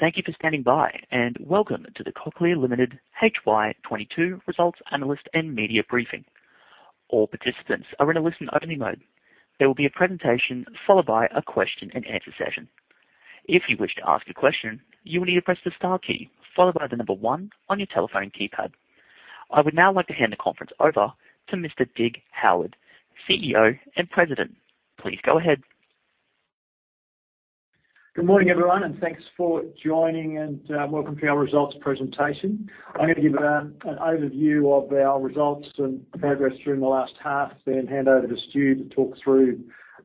Thank you for standing by and welcome to the Cochlear Limited HY22 Results Analyst and Media Briefing. All participants are in a Listen-Only Mode. There will be a presentation followed by a Question-And-Answer session. If you wish to ask a question, you will need to press the star key followed by the number one on your telephone keypad. I would now like to hand the conference over to Mr. Dig Howitt, CEO and President. Please go ahead. Good morning, everyone, and thanks for joining, and welcome to our results presentation. I'm gonna give an overview of our results and progress through the last 1/2, then hand over to Stuart to talk through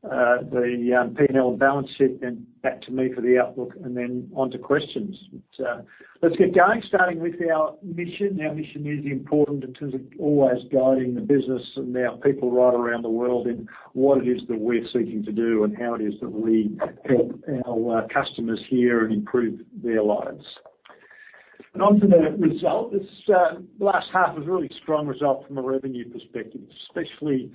the P&L and balance sheet, then back to me for the outlook, and then on to questions. Let's get going, starting with our mission. Our mission is important in terms of always guiding the business and our people right around the world in what it is that we're seeking to do and how it is that we help our customers hear and improve their lives. On to the result. This last 1/2 was a really strong result from a revenue perspective, especially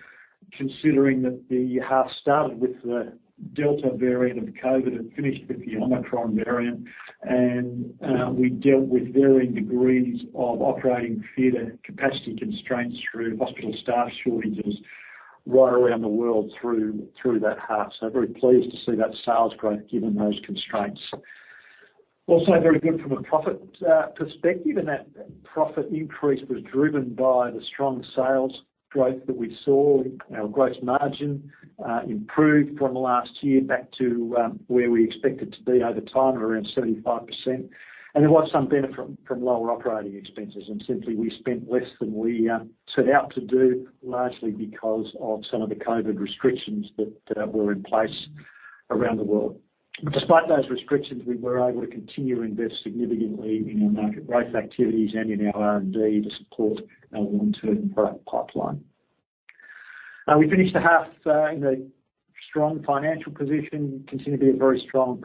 considering that the 1/2 started with the Delta variant of COVID and finished with the Omicron variant. We dealt with varying degrees of operating theater capacity constraints through hospital staff shortages right around the world through that 1/2. Very pleased to see that sales growth given those constraints. Also very good from a profit perspective, and that profit increase was driven by the strong sales growth that we saw. Our gross margin improved from last year back to where we expect it to be over time, around 75%. There was some benefit from lower operating expenses, and simply we spent less than we set out to do, largely because of some of the COVID restrictions that were in place around the world. Despite those restrictions, we were able to continue to invest significantly in our market growth activities and in our R&D to support our Long-Term product pipeline. We finished the 1/2 in a strong financial position, continue to be a very strong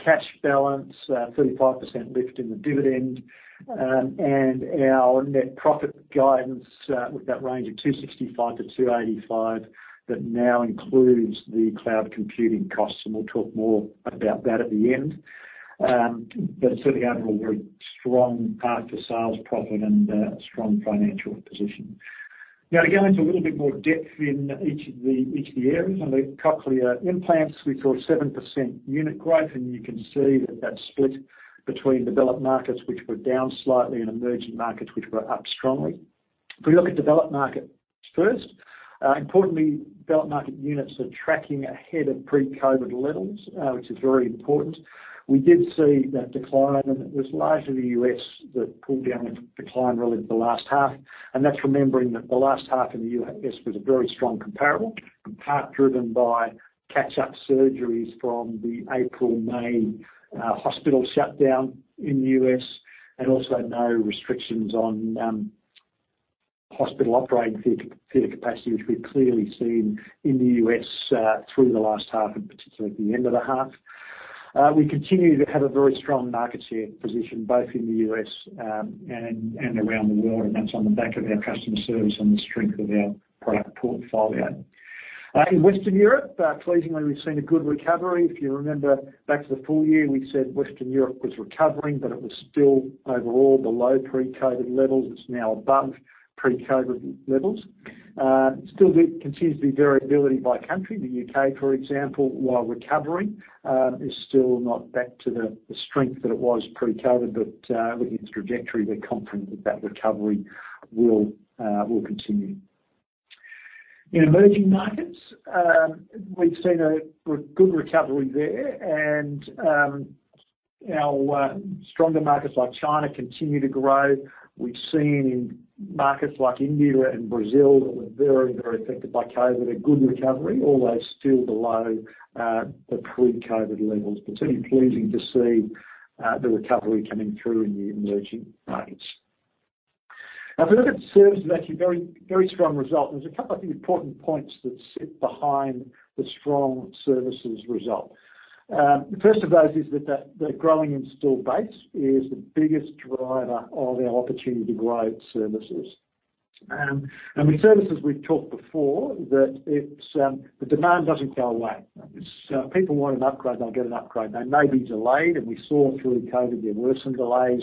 cash balance, 35% lift in the dividend, and our net profit guidance with that range of 265-285 that now includes the cloud computing costs. We'll talk more about that at the end. Certainly overall, a very strong 1/2 to sales, profit and strong financial position. Now, to go into a little bit more depth in each of the areas. In the Cochlear implants, we saw 7% unit growth, and you can see that that's split between developed markets, which were down slightly, and emerging markets, which were up strongly. If we look at developed markets first, importantly, developed market units are tracking ahead of Pre-COVID levels, which is very important. We did see that decline, and it was largely the U.S. that pulled down the decline really for the last 1/2. That's remembering that the last 1/2 in the U.S. was a very strong comparable, in part driven by Catch-Up surgeries from the April-May hospital shutdown in the U.S. and also no restrictions on hospital operating theater capacity, which we've clearly seen in the U.S. through the last 1/2 and particularly at the end of the 1/2. We continue to have a very strong market share position both in the U.S. and around the world, and that's on the back of our customer service and the strength of our product portfolio. In Western Europe, pleasingly, we've seen a good recovery. If you remember back to the full year, we said Western Europe was recovering, but it was still overall below Pre-COVID levels. It's now above Pre-COVID levels. Still there continues to be variability by country. The U.K., for example, while recovering, is still not back to the strength that it was Pre-COVID. Looking at its trajectory, we're confident that recovery will continue. In emerging markets, we've seen a good recovery there and our stronger markets like China continue to grow. We've seen in markets like India and Brazil that were very affected by COVID, a good recovery, although still below the Pre-COVID levels. Certainly pleasing to see the recovery coming through in the emerging markets. If we look at services, actually very strong result. There's a couple of important points that sit behind the strong services result. The first of those is that the growing installed base is the biggest driver of our opportunity to grow services. With services we've talked before that it's the demand doesn't go away. It's people want an upgrade, they'll get an upgrade. They may be delayed, and we saw through COVID there were some delays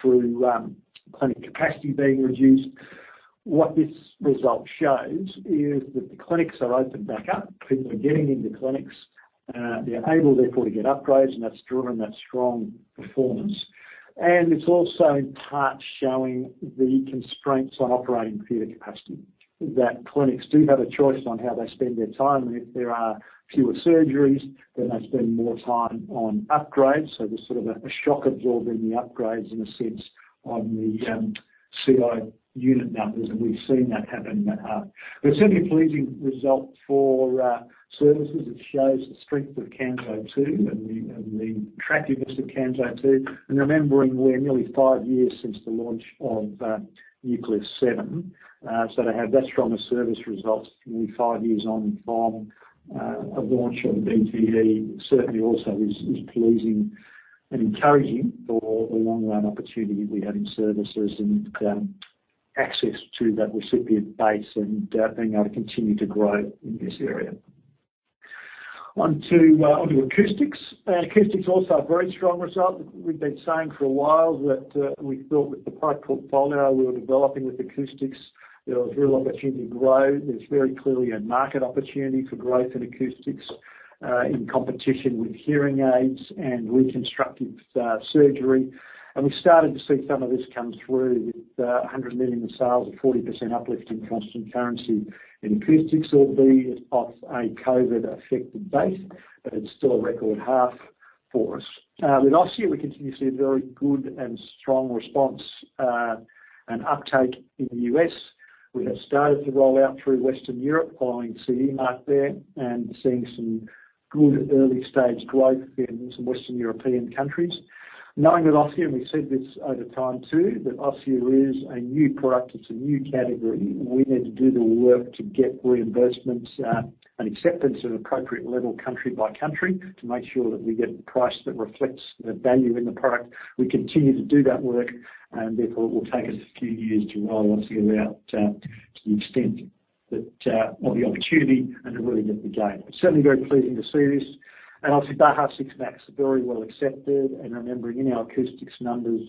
through clinic capacity being reduced. What this result shows is that the clinics are opened back up. People are getting into clinics. They're able therefore to get upgrades, and that's driven that strong performance. It's also in part showing the constraints on operating theater capacity, that clinics do have a choice on how they spend their time, and if there are fewer surgeries, then they spend more time on upgrades. There's a shock absorbing the upgrades in a sense on the CI unit numbers, and we've seen that happen in that 1/2. Certainly a pleasing result for services. It shows the strength of Kanso 2 and the attractiveness of Kanso 2. Remembering we're nearly 5 years since the launch of Nucleus 7. To have that strong a service result nearly 5 years on from a launch of a BTE certainly also is pleasing and encouraging for the Long-Run opportunity we have in services, access to that recipient base and being able to continue to grow in this area. On to acoustics. Acoustics also a very strong result. We've been saying for a while that we thought with the product portfolio we were developing with acoustics, there was real opportunity to grow. There's very clearly a market opportunity for growth in acoustics in competition with hearing aids and reconstructive surgery. We started to see some of this come through with 100 million in sales and 40% uplift in constant currency in acoustics, albeit off a COVID-Affected base, but it's still a record 1/2 for us. With Osia, we continue to see a very good and strong response and uptake in the U.S. We have started to roll out through Western Europe following CE mark there and seeing some good early-stage growth in some Western European countries. Knowing that Osia, and we said this over time too, that Osia is a new product, it's a new category, we need to do the work to get reimbursements, and acceptance at an appropriate level country by country to make sure that we get the price that reflects the value in the product. We continue to do that work, and therefore, it will take us a few years to roll Osia out, to the extent that, or the opportunity and the revenue that we gain. It's certainly very pleasing to see this. Obviously, Baha 6 Max are very well accepted. Remembering in our acoustics numbers,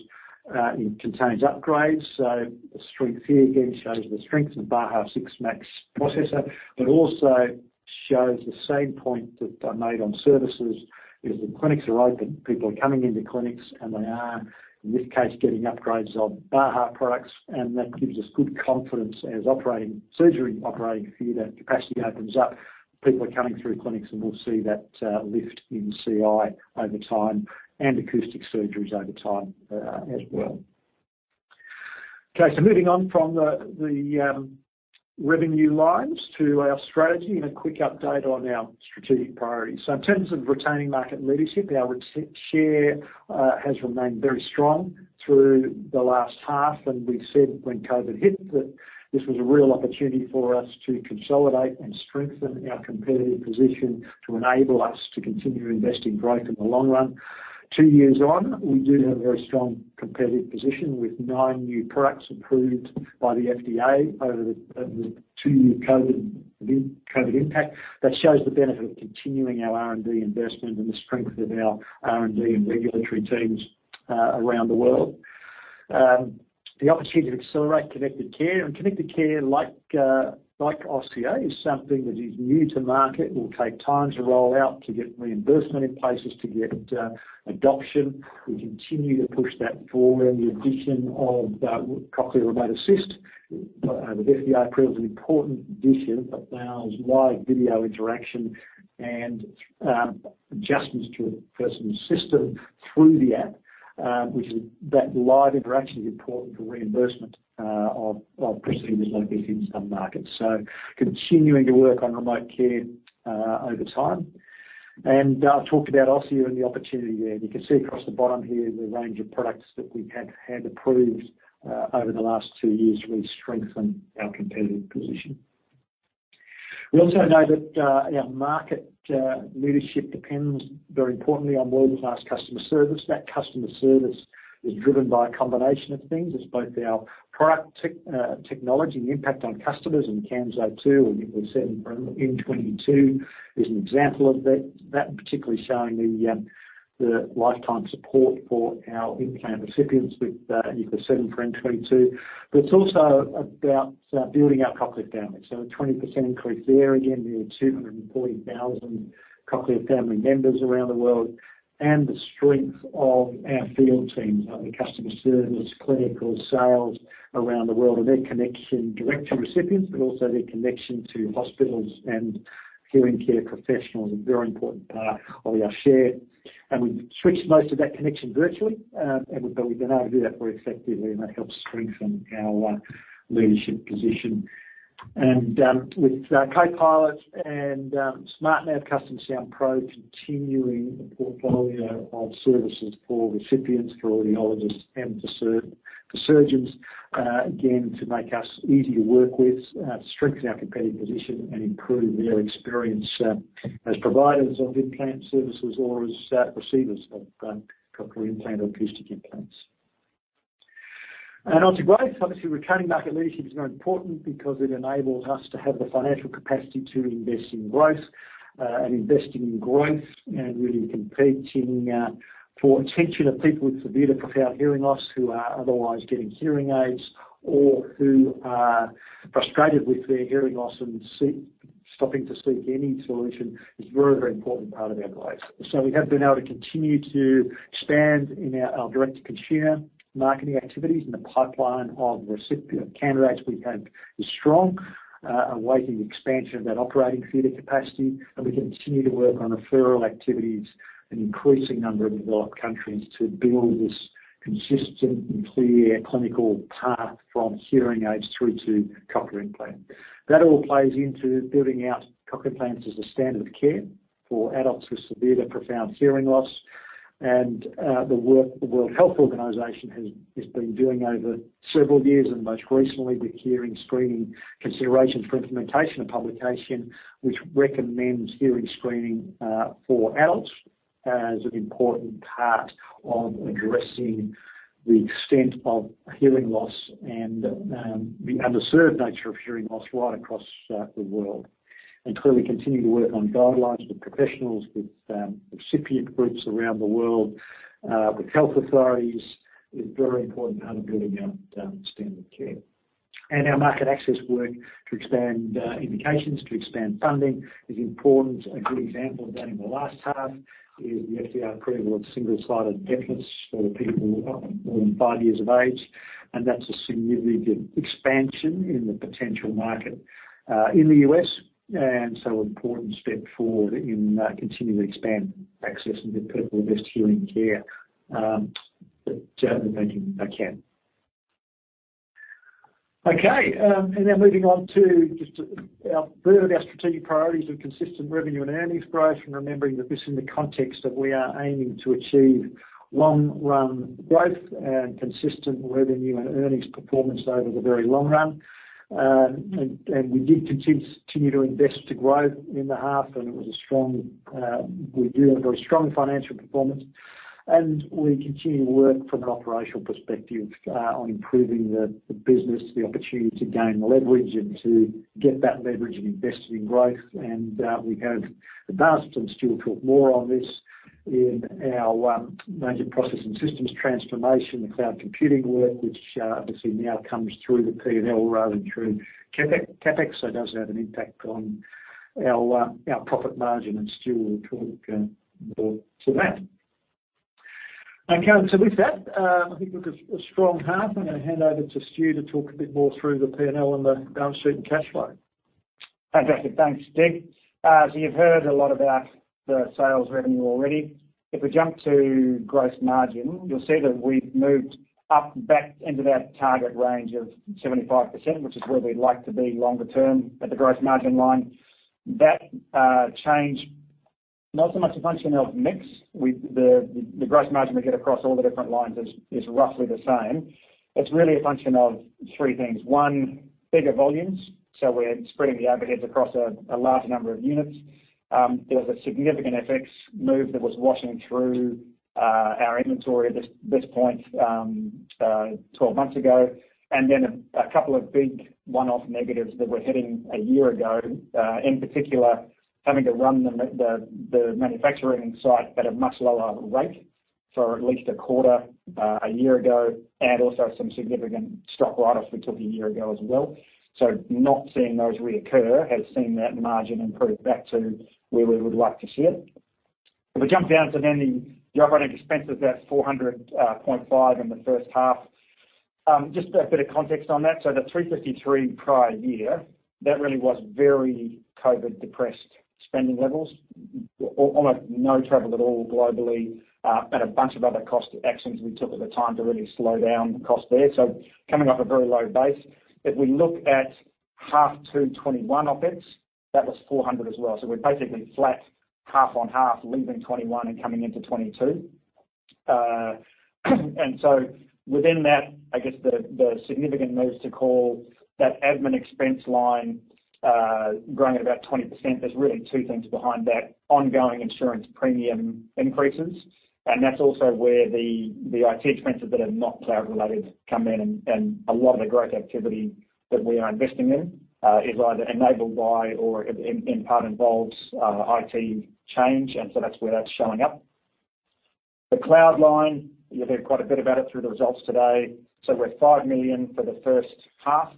it contains upgrades, so the strength here again shows the strength of Baha 6 Max processor, but also shows the same point that I made on services, is the clinics are open, people are coming into clinics, and they are, in this case, getting upgrades of Baha products, and that gives us good confidence as surgery operating theater capacity opens up. People are coming through clinics, and we'll see that lift in CI over time and acoustic surgeries over time, as well. Okay, moving on from the revenue lines to our strategy and a quick update on our strategic priorities. In terms of retaining market leadership, our share has remained very strong through the last 1/2. We said when COVID hit that this was a real opportunity for us to consolidate and strengthen our competitive position to enable us to continue investing growth in the long run. Two years on, we do have a very strong competitive position with 9 new products approved by the FDA over the 2-year COVID impact. That shows the benefit of continuing our R&D investment and the strength of our R&D and regulatory teams around the world. The opportunity to accelerate Connected Care, like Osia, is something that is new to market, will take time to roll out, to get reimbursement in places, to get adoption. We continue to push that forward. The addition of Cochlear Remote Assist with FDA approval is an important addition that allows live video interaction and adjustments to a person's system through the app, that live interaction is important for reimbursement of procedures like this in some markets. Continuing to work on remote care over time. I talked about Osia and the opportunity there. You can see across the bottom here the range of products that we have had approved over the last 2 years really strengthen our competitive position. We also know that our market leadership depends very importantly on World-Class customer service. That customer service is driven by a combination of things. It's both our product technology and impact on customers, and Kanso 2 or Nucleus 7 for CI22M is an example of that. That particularly showing the lifetime support for our implant recipients with Nucleus 7 for CI22M. It's also about building our Cochlear Family. A 20% increase there. Again, we have 240,000 Cochlear Family members around the world. The strength of our field teams, our customer service, clinical, sales around the world, and their connection direct to recipients, but also their connection to hospitals and hearing care professionals, a very important part of our share. We've switched most of that connection virtually, and we've been able to do that very effectively and that helps strengthen our leadership position. With CoPilot and SmartNav Custom Sound Pro continuing the portfolio of services for recipients, for audiologists, and for surgeons, again, to make us easy to work with, strengthen our competitive position, and improve their experience, as providers of implant services or as receivers of cochlear implant or acoustic implants. Onto growth. Obviously, retaining market leadership is now important because it enables us to have the financial capacity to invest in growth, and investing in growth and really competing for attention of people with severe to profound hearing loss who are otherwise getting hearing aids or who are frustrated with their hearing loss and stopping to seek any solution is a very, very important part of our growth. We have been able to continue to expand in our Direct-To-Consumer marketing activities, and the pipeline of recipient candidates we have is strong, awaiting expansion of that operating theater capacity. We continue to work on referral activities in an increasing number of developed countries to build this consistent and clear clinical path from hearing aids through to cochlear implant. That all plays into building out cochlear implants as a standard of care for adults with severe to profound hearing loss. The work the World Health Organization has been doing over several years, and most recently the Hearing Screening: Considerations for Implementation, which recommends hearing screening for adults as an important part of addressing the extent of hearing loss and the underserved nature of hearing loss right across the world. Clearly continue to work on guidelines with professionals, with recipient groups around the world, with health authorities, is a very important part of building out standard care. Our market access work to expand indications, to expand funding is important. A good example of that in the last 1/2 is the FDA approval of single-sided deafness for people more than 5 years of age. That's a significant expansion in the potential market in the U.S., so an important step forward in continuing to expand access and give people the best hearing care that they can. Okay. Now moving on to just our... third of our strategic priorities of consistent revenue and earnings growth, and remembering that this in the context of we are aiming to achieve Long-Run growth and consistent revenue and earnings performance over the very long run. We did continue to invest to grow in the 1/2, and it was a strong. We do have a very strong financial performance, and we continue to work from an operational perspective on improving the business, the opportunity to gain leverage and to get that leverage and invest it in growth. We have advanced and Stuart will talk more on this in our major process and systems transformation, the cloud computing work, which obviously now comes through the P&L rather than through CapEx, so it does have an impact on our profit margin, and Stuart will talk more to that. Karen, with that, I think we've got a strong 1/2. I'm gonna hand over to Stuart to talk a bit more through the P&L and the balance sheet and cash flow. Fantastic. Thanks, Dig. You've heard a lot about the sales revenue already. If we jump to gross margin, you'll see that we've moved up back into that target range of 75%, which is where we'd like to be longer term at the gross margin line. That change, not so much a function of mix with the gross margin we get across all the different lines is roughly the same. It's really a function of 3 things. One, bigger volumes, so we're spreading the overheads across a larger number of units. There was a significant FX move that was washing through our inventory at this point 12 months ago, and then a couple of big One-Off negatives that we're hitting a year ago, in particular, having to run the manufacturing site at a much lower rate for at least a 1/4 a year ago, and also some significant stock write-offs we took a year ago as well. Not seeing those reoccur has seen that margin improve back to where we would like to see it. If we jump down to the operating expenses at 400.5 in the first 1/2. Just a bit of context on that. The 353 prior year, that really was very COVID-depressed spending levels. Almost no travel at all globally, and a bunch of other cost actions we took at the time to really slow down the cost there. Coming off a very low base. If we look at H2 2021 OpEx, that was 400 as well. We're basically flat half-on-half, leaving 2021 and coming into 2022. Within that, I guess the significant moves to call out, that admin expense line growing at about 20%, there's really 2 things behind that, ongoing insurance premium increases, and that's also where the IT expenses that are not cloud-related come in. A lot of the growth activity that we are investing in is either enabled by or in part involves IT change, and that's where that's showing up. The cloud line, you'll hear quite a bit about it through the results today. We're 5 million for the first 1/2.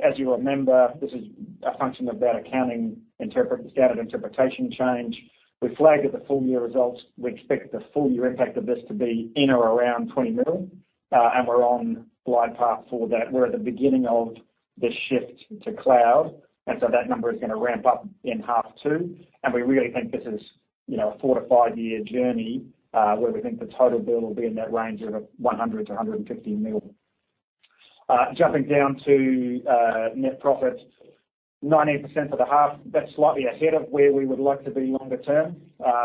As you remember, this is a function of that accounting standard interpretation change. We flagged at the Full-Year results, we expect the Full-Year impact of this to be in or around 20 million, and we're on glide path for that. We're at the beginning of the shift to cloud, and that number is gonna ramp up in 1/2 2. We really think this is, you know, a 4- to 5-year journey, where we think the total bill will be in that range of 100 million-150 million. Jumping down to net profit. 19% for the 1/2. That's slightly ahead of where we would like to be longer term.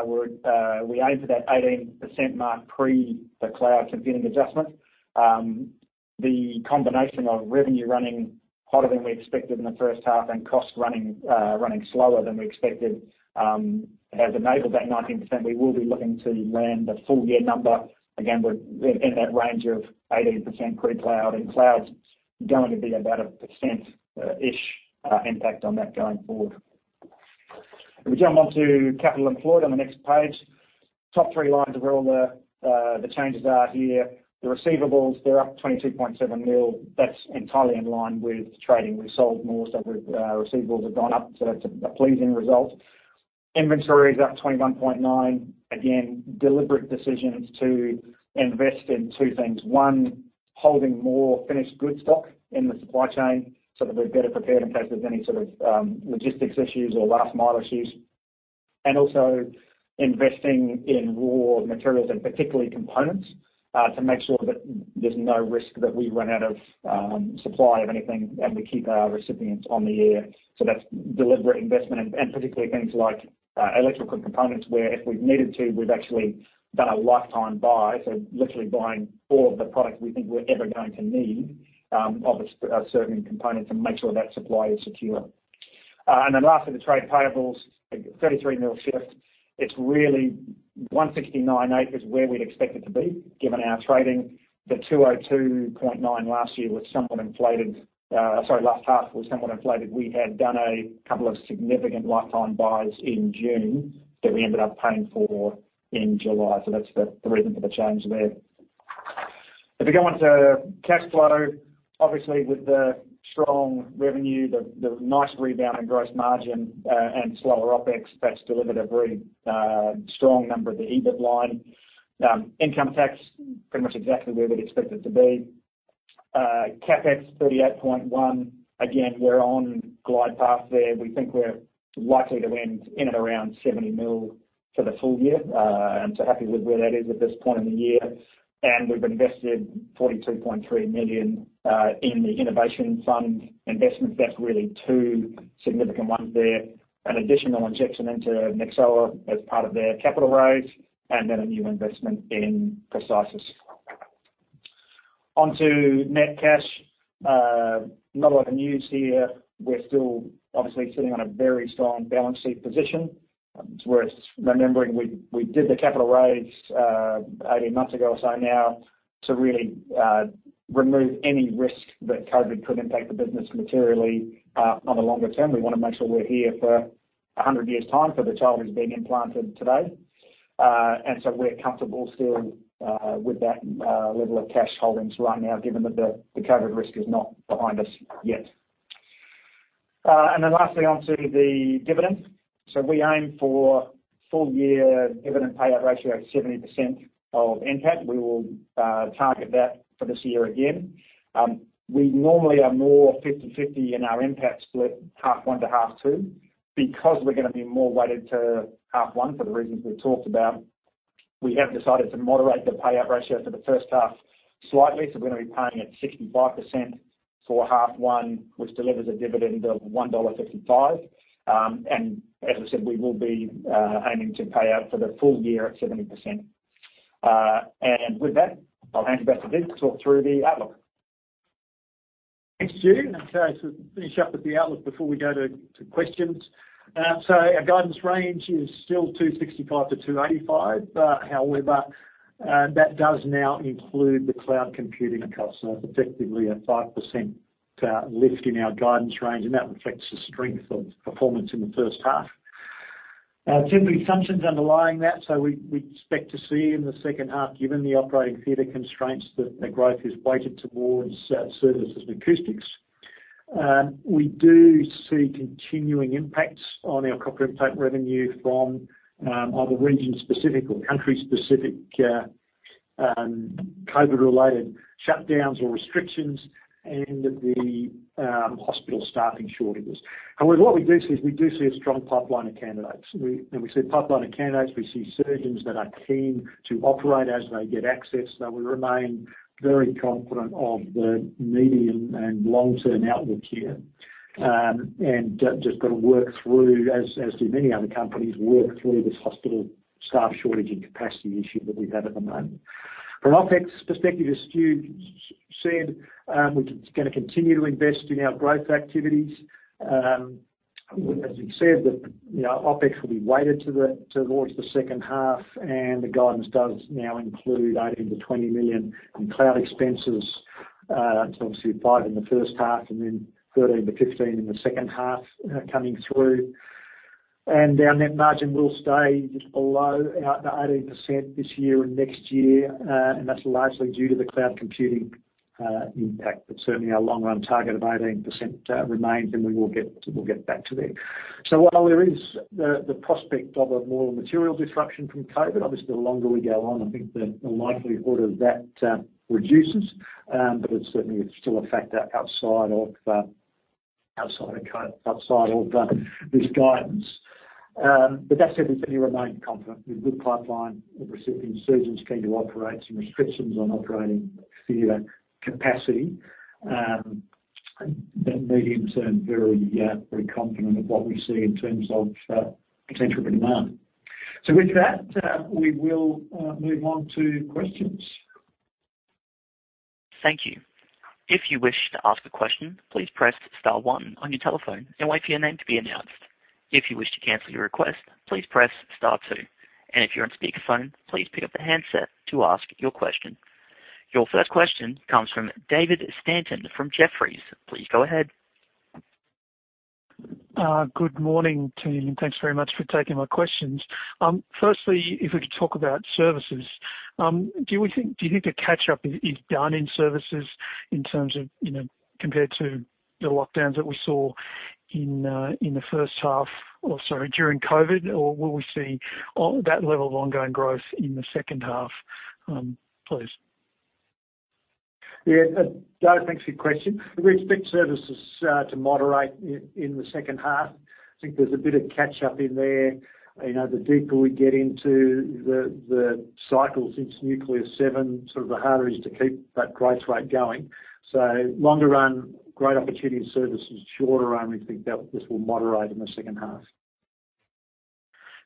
We aim for that 18% mark pre the cloud computing adjustment. The combination of revenue running hotter than we expected in the first 1/2 and cost running slower than we expected has enabled that 19%. We will be looking to land a Full-Year number. Again, we're in that range of 18% Pre-cloud, and cloud's going to be about 1%-ish impact on that going forward. If we jump onto capital employed on the next page, top 3 lines are where all the changes are here. The receivables, they're up 22.7 million. That's entirely in line with trading. We've sold more stuff, receivables have gone up, so that's a pleasing result. Inventory is up 21.9 million. Again, deliberate decisions to invest in 2 things. One, holding more finished goods stock in the supply chain so that we're better prepared in case there's any sort of logistics issues or last mile issues, and also investing in raw materials and particularly components, to make sure that there's no risk that we run out of supply of anything and we keep our recipients on the air. That's deliberate investment and particularly things like electrical components, where if we've needed to, we've actually done a lifetime buy, so literally buying all of the products we think we're ever going to need of a certain component to make sure that supply is secure. And then lastly, the trade payables, 33 million shift. It's really 169.8 million is where we'd expect it to be given our trading. The 202.9 last year was somewhat inflated, sorry, last 1/2 was somewhat inflated. We had done a couple of significant lifetime buys in June that we ended up paying for in July, so that's the reason for the change there. If you go onto cash flow, obviously with the strong revenue, the nice rebound in gross margin, and slower OpEx, that's delivered a very strong number at the EBIT line. Income tax pretty much exactly where we'd expect it to be. CapEx 38.1 million. Again, we're on glide path there. We think we're likely to end in and around 70 million for the full year, and so happy with where that is at this point in the year. We've invested 42.3 million in the innovation fund investments. That's really 2 significant ones there. An additional injection into Nyxoah as part of their capital raise, and then a new investment in Precisis. Onto net cash. Not a lot of news here. We're still obviously sitting on a very strong balance sheet position. It's worth remembering we did the capital raise 18 months ago or so now to really remove any risk that COVID could impact the business materially on the longer term. We wanna make sure we're here for 100 years' time for the child who's being implanted today. We're comfortable still with that level of cash holdings right now, given that the COVID risk is not behind us yet. Lastly, onto the dividend. We aim for full year dividend payout ratio of 70% of NPAT. We will target that for this year again. We normally are more 50/50 in our NPAT split 1/2 one to 1/2 2. Because we're gonna be more weighted to 1/2 one for the reasons we've talked about, we have decided to moderate the payout ratio for the first 1/2 slightly. We're gonna be paying at 65% for 1/2 one, which delivers a dividend of 1.55 dollar. We will be aiming to pay out for the full year at 70%. With that, I'll hand you back to Viv to talk through the outlook. Thanks, Stuart. Okay, finish up with the outlook before we go to questions. Our guidance range is still 265-285. However, that does now include the cloud computing costs, so that's effectively a 5% lift in our guidance range, and that reflects the strength of performance in the first 1/2. Our temporary assumption's underlying that. We expect to see in the second 1/2, given the operating theater constraints, that the growth is weighted towards services and acoustics. We do see continuing impacts on our cochlear implant revenue from either region-specific or country-specific COVID-related shutdowns or restrictions and the hospital staffing shortages. However, what we do see a strong pipeline of candidates. When we see a pipeline of candidates, we see surgeons that are keen to operate as they get access. Now, we remain very confident of the medium and Long-Term outlook here. Just gotta work through, as do many other companies, work through this hospital staff shortage and capacity issue that we have at the moment. From an OpEx perspective, as Stuart said, we're gonna continue to invest in our growth activities. As we've said that, you know, OpEx will be weighted towards the second 1/2, and the guidance does now include 18 million-20 million in cloud expenses. That's obviously 5 million in the first 1/2 and then 13 million-15 million in the second 1/2, coming through. Our net margin will stay just below our 18% this year and next year, and that's largely due to the cloud computing impact. Certainly our Long-Run target of 18% remains, and we'll get back to there. While there is the prospect of a more material disruption from COVID, obviously the longer we go on, I think the likelihood of that reduces. It's certainly still a factor outside of COVID, outside of this guidance. That said, we certainly remain confident with good pipeline of recipient surgeons keen to operate and restrictions on operating theater capacity. Medium term, very confident of what we see in terms of potential for demand. With that, we will move on to questions. Thank you. If you wish to ask a question, please press star one on your telephone and wait for your name to be announced. If you wish to cancel your request, please press star 2. If you're on speaker phone, please pick up the handset to ask your question. Your first question comes from David Stanton from Jefferies. Please go ahead. Good morning, team, and thanks very much for taking my questions. Firstly, if we could talk about services, do you think the Catch-Up is done in services in terms of, you know, compared to the lockdowns that we saw in the first 1/2 or, sorry, during COVID, or will we see all that level of ongoing growth in the second 1/2, please? Yeah, David, thanks for your question. We expect services to moderate in the second 1/2. I think there's a bit of Catch-Up in there. You know, the deeper we get into the cycle since Nucleus 7, sort of the harder it is to keep that growth rate going. Longer run, great opportunity in services. Shorter run, we think that this will moderate in the second 1/2.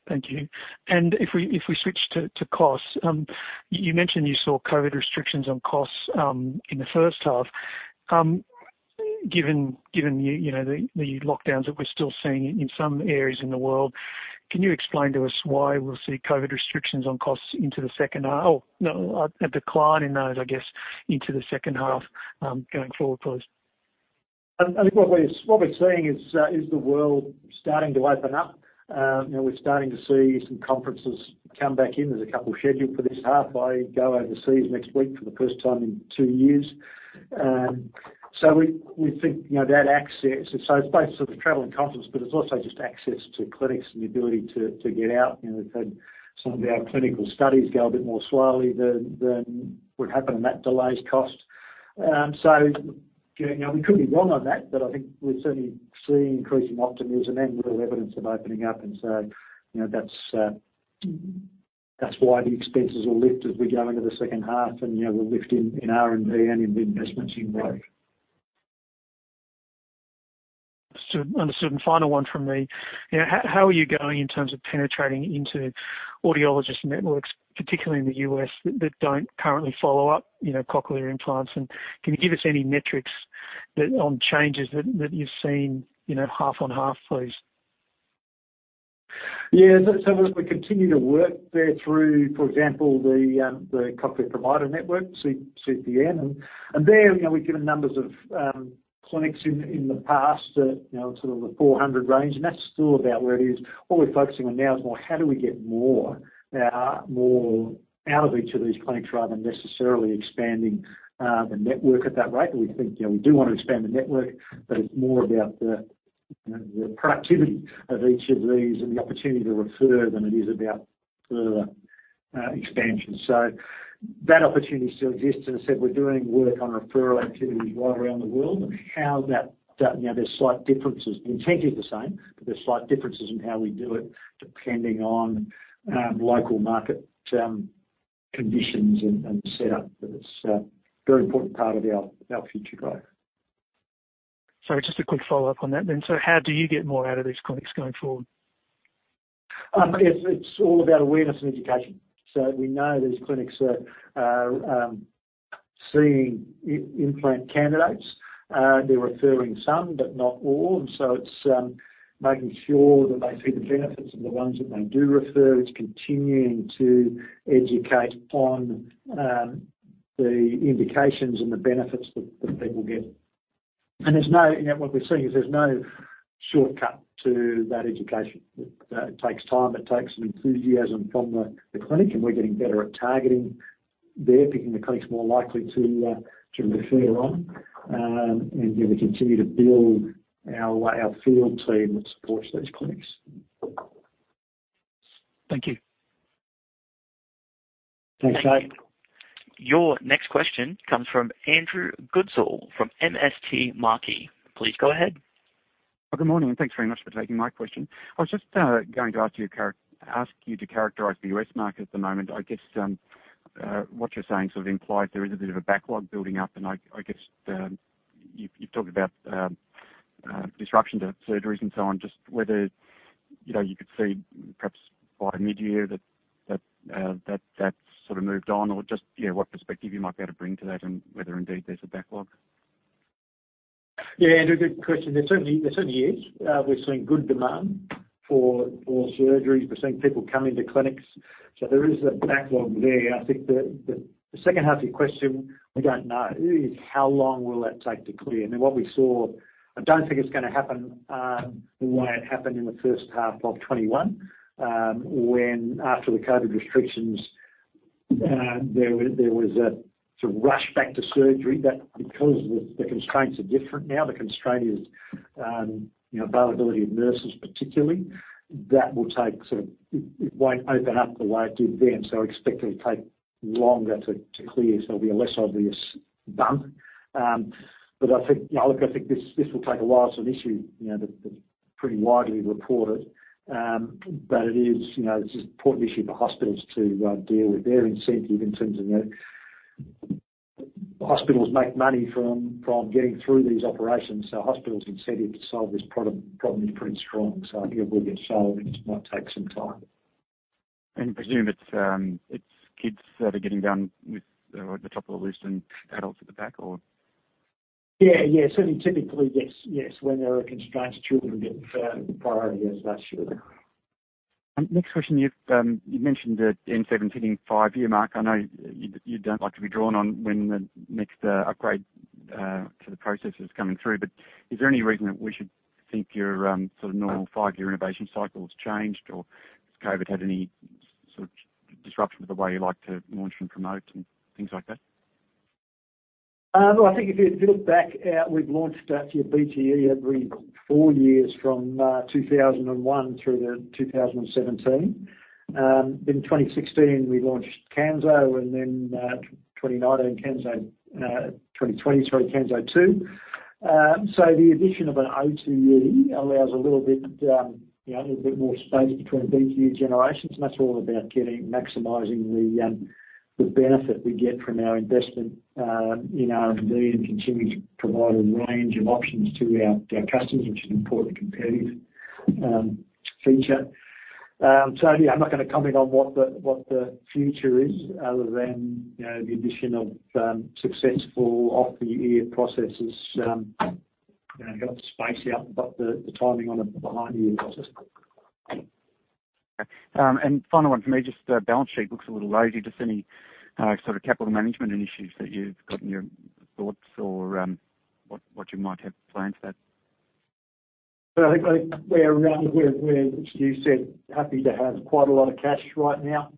Thank you. If we switch to costs, you mentioned you saw COVID restrictions on costs in the first 1/2. Given you know the lockdowns that we're still seeing in some areas in the world, can you explain to us why we'll see COVID restrictions on costs into the second 1/2? Or no, a decline in those, I guess, into the second 1/2 going forward, please? I think what we're seeing is the world starting to open up. You know, we're starting to see some conferences come back in. There's a couple scheduled for this 1/2. I go overseas next week for the first time in 2 years. We think, you know, that access. It's both sort of travel and conference, but it's also just access to clinics and the ability to get out. You know, we've had some of our clinical studies go a bit more slowly than would happen, and that delays cost. We could be wrong on that, but I think we're certainly seeing increasing optimism and real evidence of opening up. You know, that's why the expenses will lift as we go into the second 1/2. You know, we're lifting in R&D and in the investments in growth. Understood. Final one from me. You know, how are you going in terms of penetrating into audiologist networks, particularly in the U.S., that don't currently follow up, you know, cochlear implants? Can you give us any metrics on changes that you've seen, you know, 1/2 on 1/2 please? As we continue to work there through, for example, the Cochlear Provider Network, CPN. There, we've given numbers of clinics in the past that sort of the 400 range, and that's still about where it is. What we're focusing on now is more how do we get more out of each of these clinics rather than necessarily expanding the network at that rate. We think we do wanna expand the network, but it's more about the productivity of each of these and the opportunity to refer than it is about further expansion. That opportunity still exists. As I said, we're doing work on referral activities right around the world and how that there's slight differences. The intent is the same, but there's slight differences in how we do it depending on local market conditions and setup. It's a very important part of our future growth. Sorry, just a quick Follow-Up on that then. How do you get more out of these clinics going forward? It's all about awareness and education. We know these clinics are seeing implant candidates. They're referring some, but not all. It's making sure that they see the benefits of the ones that they do refer. It's continuing to educate on the indications and the benefits that people get. You know, what we're seeing is there's no shortcut to that education. It takes time. It takes some enthusiasm from the clinic, and we're getting better at targeting them, picking the clinics more likely to refer on. You know, we continue to build our field team that supports these clinics. Thank you. Thanks, Stanton. Your next question comes from Andrew Goodsall from MST Marquee. Please go ahead. Good morning, and thanks very much for taking my question. I was just going to ask you to characterize the U.S. market at the moment. I guess what you're saying sort of implies there is a bit of a backlog building up, and I guess you've talked about disruption to surgeries and so on, just whether you know you could see perhaps by midyear that that's sort of moved on or just you know what perspective you might be able to bring to that and whether indeed there's a backlog. Yeah. Andrew, good question. There certainly is. We're seeing good demand for surgeries. We're seeing people come into clinics, so there is a backlog there. I think the second 1/2 of your question, we don't know, is how long will that take to clear? I mean, what we saw, I don't think it's gonna happen the way it happened in the first 1/2 of 2021, when after the COVID restrictions, there was a sort of rush back to surgery. That's because the constraints are different now. The constraint is, you know, availability of nurses particularly. It won't open up the way it did then, so expect it to take longer to clear. It'll be a less obvious bump. I think, you know, look, I think this will take a while. It's an issue, you know, that's pretty widely reported. It is, you know, this is an important issue for hospitals to deal with. Their incentive in terms of, you know, hospitals make money from getting through these operations, so hospitals' incentive to solve this problem is pretty strong. I think it will get solved. It just might take some time. Presume it's kids that are getting done with or at the top of the list and adults at the back, or? Yeah. Certainly, typically, yes. When there are constraints, children get preferred priority. Yes, that's true. Next question. You've mentioned the N7 hitting 5-year mark. I know you don't like to be drawn on when the next upgrade to the processor is coming through, but is there any reason that we should think your sort of normal 5-year innovation cycle has changed or has COVID had any sort of disruption to the way you like to launch and promote and things like that? I think if you look back, we've launched actually a BTE every 4 years from 2001 through to 2017. In 2016 we launched Kanso, and then 2019 Kanso, 2020, sorry, Kanso 2. The addition of an OTE allows a little bit, you know, a little bit more space between BTE generations, and that's all about maximizing the benefit we get from our investment in R&D and continuing to provide a range of options to our customers, which is an important competitive feature. Yeah, I'm not gonna comment on what the future is other than, you know, the addition of successful off-the-ear processors. You know, I got spaced out, but the timing on it behind-the-ear processor. Okay. Final one for me, just, balance sheet looks a little lazy. Just any sort of capital management initiatives that you've got in your thoughts or, what you might have planned for that? Well, I think we're, as you said, happy to have quite a lot of cash right now.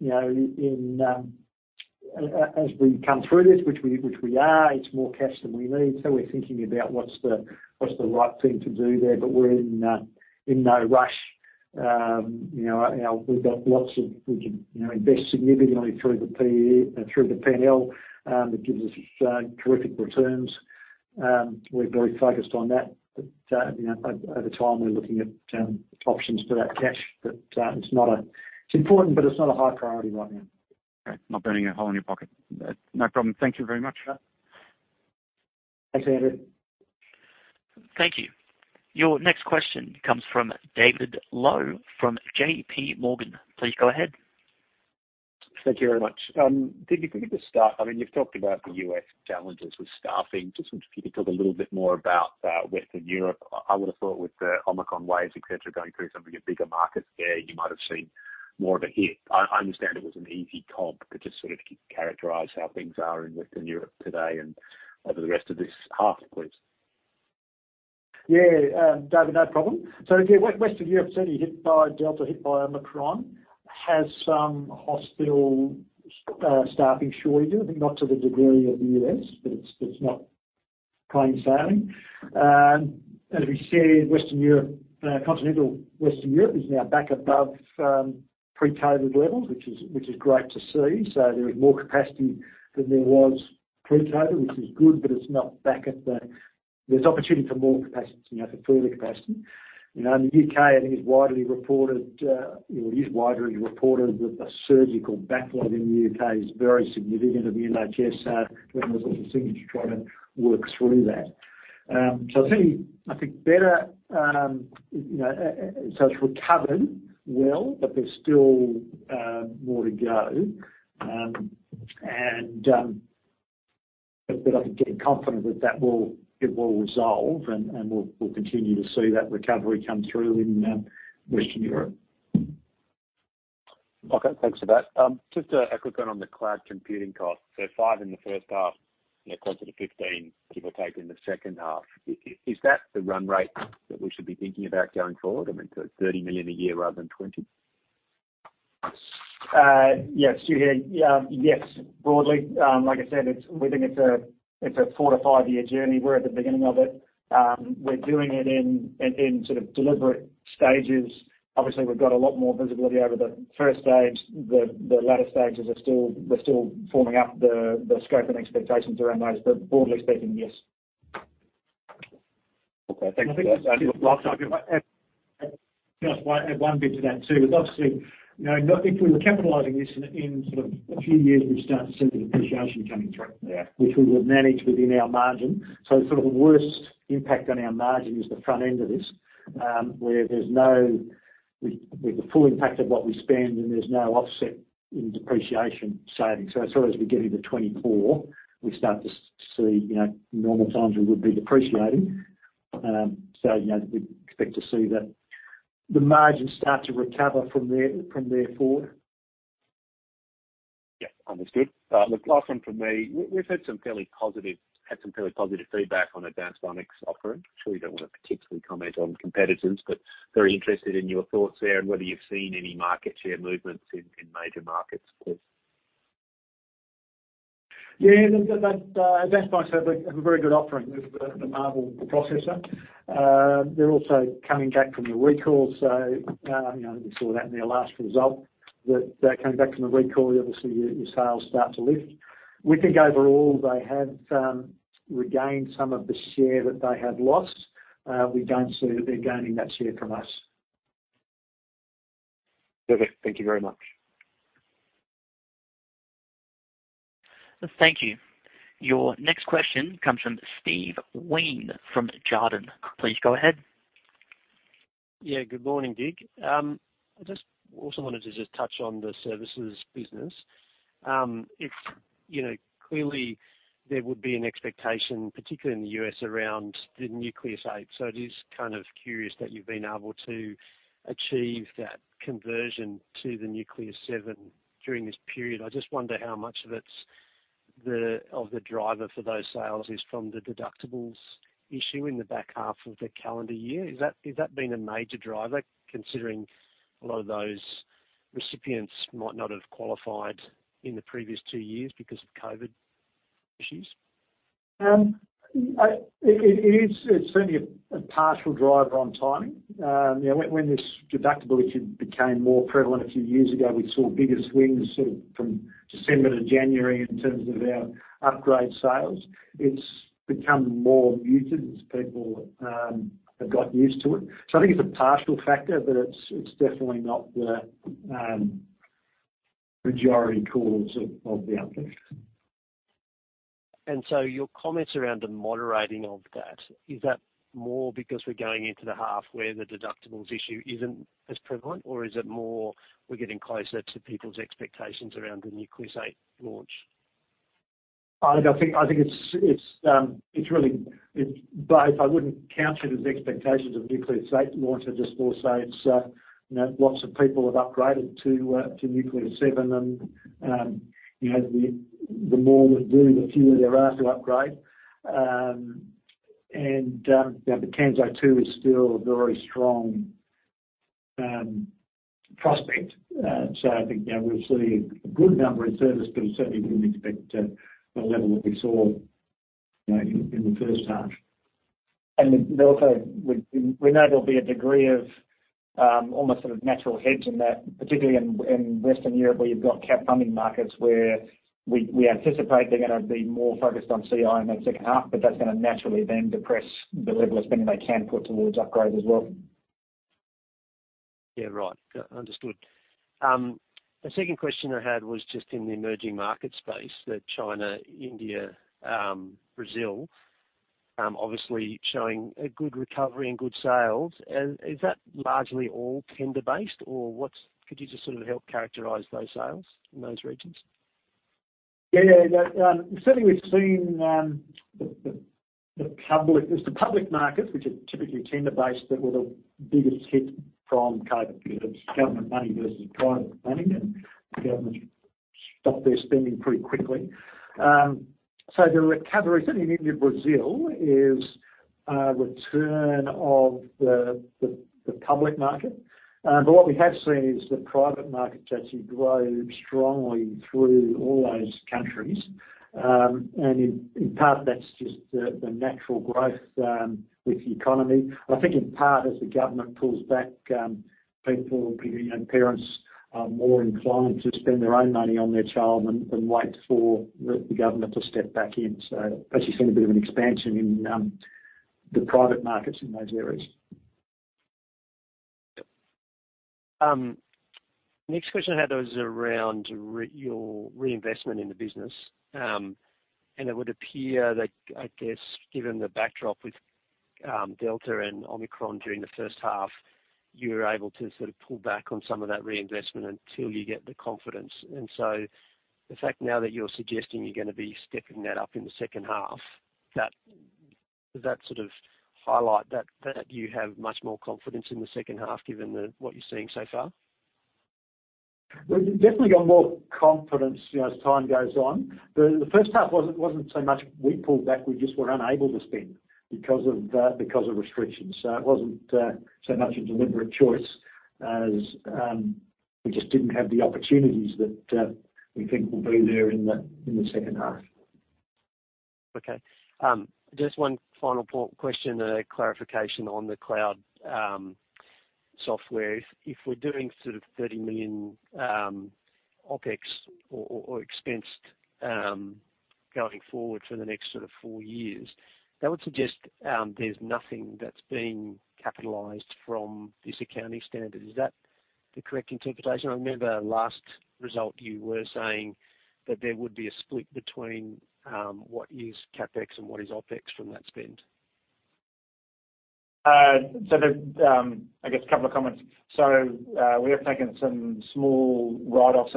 You know, as we come through this, which we are, it's more cash than we need, so we're thinking about what's the right thing to do there. We're in no rush. You know, we can invest significantly through the CapEx, through the P&L. It gives us terrific returns. We're very focused on that. You know, over time we're looking at options for that cash. It's important, but it's not a high priority right now. Okay. Not burning a hole in your pocket. No problem. Thank you very much. Thanks, Andrew. Thank you. Your next question comes from David Low from JPMorgan. Please go ahead. Thank you very much. Dig, if we could just start, I mean, you've talked about the U.S. challenges with staffing. Just wonder if you could talk a little bit more about Western Europe. I would have thought with the Omicron waves, et cetera, going through some of your bigger markets there, you might have seen more of a hit. I understand it was an easy comp, but just sort of characterize how things are in Western Europe today and over the rest of this 1/2, please. Yeah, David, no problem. Western Europe certainly hit by Delta, hit by Omicron, has some hospital staffing shortages. I think not to the degree of the U.S., but it's not plain sailing. As we said, Western Europe, continental Western Europe is now back above Pre-COVID levels, which is great to see. There is more capacity than there was Pre-COVID, which is good, but it's not back at the. There's opportunity for more capacity, you know, for further capacity. You know, in the U.K., I think it's widely reported that the surgical backlog in the U.K. is very significant, and the NHS are working with all the seniors to try to work through that. I think better, you know, so it's recovered well, but there's still more to go. I can get confident that it will resolve and we'll continue to see that recovery come through in Western Europe. Okay, thanks for that. Just a quick one on the cloud computing costs. Five in the first 1/2, you know, closer to fifteen, give or take, in the second 1/2. Is that the run rate that we should be thinking about going forward? I mean, so 30 million a year rather than 20 million? Yes, you hear, yes, broadly. Like I said, we think it's a 4-5-year journey. We're at the beginning of it. We're doing it in sort of deliberate stages. Obviously, we've got a lot more visibility over the first stage. The latter stages are still. We're still forming up the scope and expectations around those. Broadly speaking, yes. Okay. Thank you. I think just add one bit to that, too. Because obviously, you know, if we were capitalizing this in sort of a few years, we'd start to see the depreciation coming through, which we would manage within our margin. Sort of the worst impact on our margin is the front end of this, where we have the full impact of what we spend, and there's no offset in depreciation savings. As soon as we get into 2024, we start to see, you know, normal times we would be depreciating. You know, we expect to see the margins start to recover from there forward. Yeah. Understood. Look, last one from me. We've had some fairly positive feedback on Advanced Bionics' offering. I'm sure you don't wanna particularly comment on competitors, but very interested in your thoughts there and whether you've seen any market share movements in major markets, please. Yeah. Advanced Bionics have a very good offering with the Marvel processor. They're also coming back from the recall. You know, we saw that in their last result, that they're coming back from the recall. Obviously, your sales start to lift. We think overall they have regained some of the share that they had lost. We don't see that they're gaining that share from us. Perfect. Thank you very much. Thank you. Your next question comes from Steve Wheen from Jarden. Please go ahead. Yeah, good morning, Dig. I just also wanted to just touch on the services business. You know, clearly there would be an expectation, particularly in the U.S., around the Nucleus 8. It is kind of curious that you've been able to achieve that conversion to the Nucleus 7 during this period. I just wonder how much of it's the driver for those sales is from the deductibles issue in the back 1/2 of the calendar year. Is that been a major driver, considering a lot of those recipients might not have qualified in the previous 2 years because of COVID issues? It's certainly a partial driver on timing. You know, when this deductible issue became more prevalent a few years ago, we saw bigger swings sort of from December to January in terms of our upgrade sales. It's become more muted as people have got used to it. I think it's a partial factor, but it's definitely not the majority cause of the uplift. Your comments around the moderating of that, is that more because we're going into the 1/2 where the deductibles issue isn't as prevalent or is it more we're getting closer to people's expectations around the Nucleus 8 launch? I think it's really both. I wouldn't count it as expectations of Nucleus 8 launch. I just will say it's you know lots of people have upgraded to Nucleus 7 and you know the more that do the fewer there are to upgrade. You know the Kanso 2 is still a very strong prospect. I think you know we'll see a good number in service but we certainly wouldn't expect the level that we saw you know in the first 1/2. We know there'll be a degree of almost sort of natural hedge in that, particularly in Western Europe where you've got cap-funded markets where we anticipate they're gonna be more focused on CI in that second 1/2, but that's gonna naturally then depress the level of spending they can put towards upgrade as well. The second question I had was just in the emerging market space, China, India, Brazil, obviously showing a good recovery and good sales. Is that largely all tender-based or what's... Could you just sort of help characterize those sales in those regions? Yeah, yeah. That certainly we've seen, the public markets which are typically tender-based that were the biggest hit from COVID, you know, government money versus private money and the government stopped their spending pretty quickly. So the recovery certainly in India, Brazil is a return of the public market. But what we have seen is the private market actually grow strongly through all those countries. And in part that's just the natural growth with the economy. I think in part as the government pulls back, people, you know, parents are more inclined to spend their own money on their child than wait for the government to step back in. We've actually seen a bit of an expansion in the private markets in those areas. Next question I had was around your reinvestment in the business. It would appear that, I guess given the backdrop with Delta and Omicron during the first 1/2, you were able to sort of pull back on some of that reinvestment until you get the confidence. The fact now that you're suggesting you're gonna be stepping that up in the second 1/2, that does sort of highlight that you have much more confidence in the second 1/2 given what you're seeing so far? Well, we've definitely got more confidence, you know, as time goes on. The first 1/2 wasn't so much we pulled back, we just were unable to spend because of restrictions. It wasn't so much a deliberate choice as we just didn't have the opportunities that we think will be there in the second 1/2. Okay. Just one final question, a clarification on the cloud software. If we're doing sort of 30 million OpEx or expensed going forward for the next sort of 4 years, that would suggest there's nothing that's been capitalized from this accounting standard. Is that the correct interpretation? I remember last result you were saying that there would be a split between what is CapEx and what is OpEx from that spend. There's, I guess, a couple of comments. We have taken some small write-offs,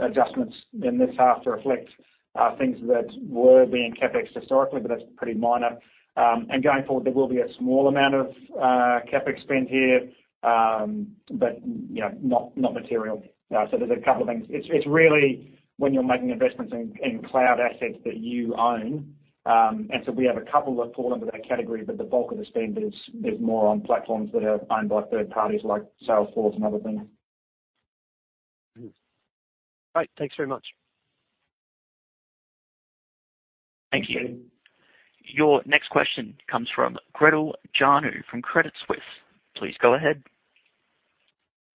adjustments in this 1/2 to reflect things that were being CapEx historically, but that's pretty minor. Going forward, there will be a small amount of CapEx spend here, but you know, not material. There's a couple of things. It's really when you're making investments in cloud assets that you own. We have a couple that fall under that category, but the bulk of the spend is more on platforms that are owned by third parties like Salesforce and other things. Great. Thanks very much. Thank you. Your next question comes from Gretel Janu from Credit Suisse. Please go ahead.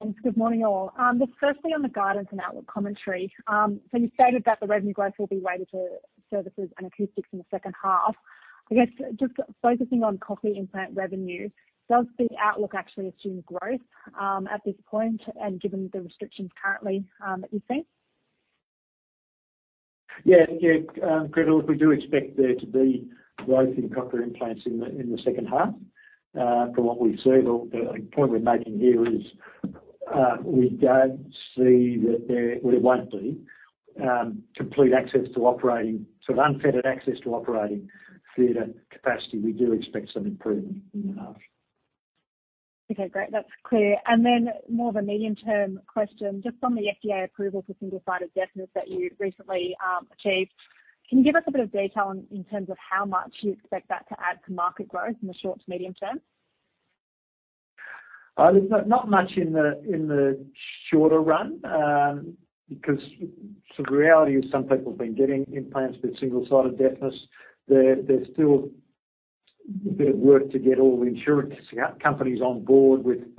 Thanks. Good morning, all. Just firstly on the guidance and outlook commentary. You stated that the revenue growth will be weighted to services and acoustics in the second 1/2. I guess just focusing on Cochlear implant revenue, does the outlook actually assume growth at this point and given the restrictions currently that you're seeing? Yeah, Gretel, look, we do expect there to be growth in cochlear implants in the second 1/2, from what we've seen. The point we're making here is, well, it won't be complete access to operating, sort of unfettered access to operating theater capacity. We do expect some improvement in the 1/2. Okay, great. That's clear. More of a medium term question, just on the FDA approval for single-sided deafness that you recently achieved. Can you give us a bit of detail in terms of how much you expect that to add to market growth in the short to medium term? There's not much in the shorter run, because the reality is some people have been getting implants for single-sided deafness. There's still a bit of work to get all the insurance companies on board with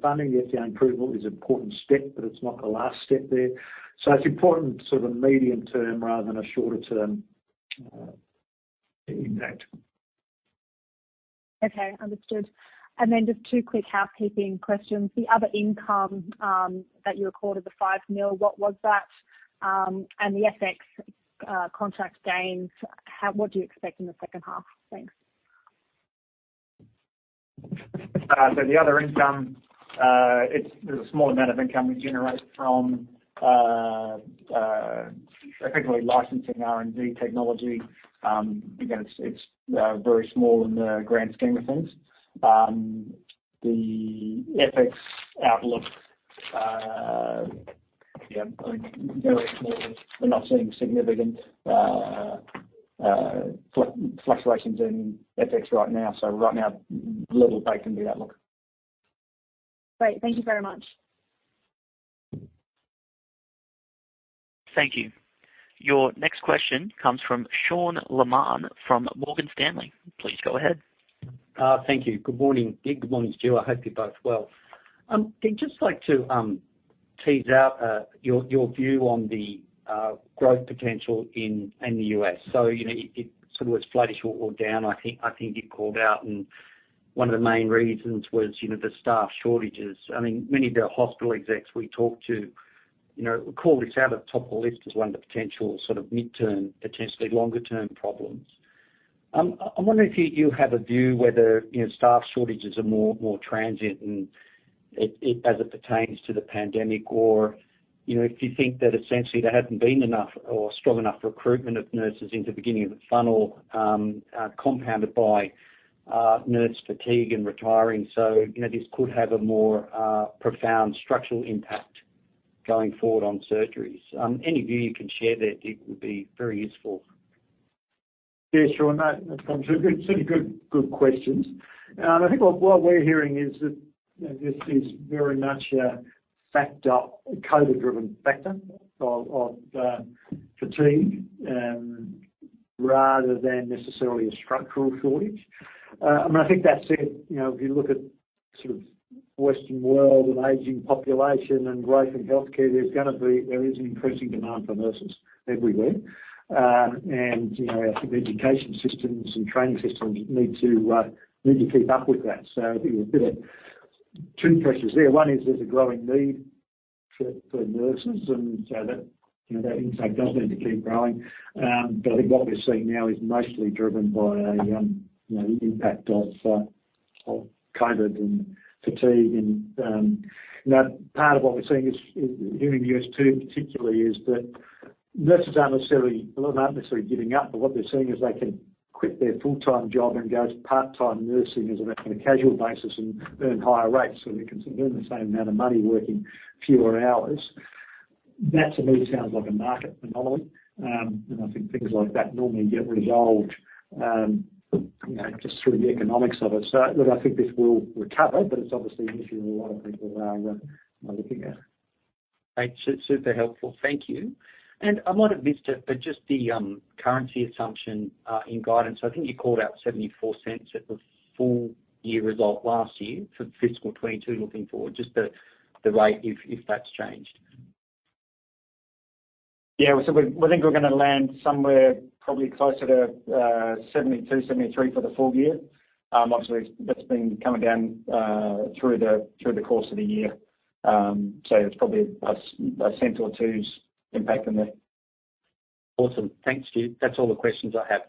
funding. The FDA approval is an important step, but it's not the last step there. It's important sort of medium term rather than a shorter term impact. Okay. Understood. Then just 2 quick housekeeping questions. The other income that you recorded, the 5 million, what was that? And the FX contract gains, what do you expect in the second 1/2? Thanks. The other income, there's a small amount of income we generate from effectively licensing R&D technology. Again, it's very small in the grand scheme of things. The FX outlook, yeah, I mean, very small. We're not seeing significant fluctuations in FX right now. Right now, little impact in the outlook. Great. Thank you very much. Thank you. Your next question comes from Sean Laaman from Morgan Stanley. Please go ahead. Thank you. Good morning, Dig. Good morning, Stuart. I hope you're both well. Dig, just like to tease out your view on the growth potential in the U.S. You know, it sort of was flatish or down, I think you called out, and one of the main reasons was, you know, the staff shortages. I mean, many of the hospital execs we talk to, you know, call this out at the top of the list as one of the potential sort of midterm, potentially longer term problems. I'm wondering if you have a view whether, you know, staff shortages are more transient and it... As it pertains to the pandemic or, you know, if you think that essentially there hasn't been enough or strong enough recruitment of nurses into the beginning of the funnel, compounded by nurse fatigue and retiring. You know, this could have a more profound structural impact going forward on surgeries. Any view you can share there, Dig, would be very useful. Yeah, Sean, that's some good questions. I think what we're hearing is that, you know, this is very much a factor, a COVID-driven factor of fatigue, rather than necessarily a structural shortage. I mean, I think that said, you know, if you look at sort of Western world and aging population and growth in healthcare, there is an increasing demand for nurses everywhere. You know, I think education systems and training systems need to keep up with that. I think there are 2 pressures there. One is there's a growing need for nurses and so that, you know, that intake does need to keep growing. I think what we're seeing now is mostly driven by a, you know, the impact of COVID and fatigue and, you know, part of what we're seeing is here in the U.S. too particularly, is that nurses aren't necessarily, well, not necessarily giving up, but what they're seeing is they can quit their full-time job and go to part-time nursing as a casual basis and earn higher rates, so they can earn the same amount of money working fewer hours. That to me sounds like a market anomaly. I think things like that normally get resolved, you know, just through the economics of it. Look, I think this will recover, but it's obviously an issue a lot of people are looking at. Great. Super helpful. Thank you. I might have missed it, but just the currency assumption in guidance. I think you called out 74 cents at the full year result last year for fiscal 2022 looking forward, just the rate if that's changed. Yeah. We think we're gonna land somewhere probably closer to 72, 73 for the full year. Obviously that's been coming down through the course of the year. It's probably a cent or 2's impact in there. Awesome. Thanks, Stuart. That's all the questions I have.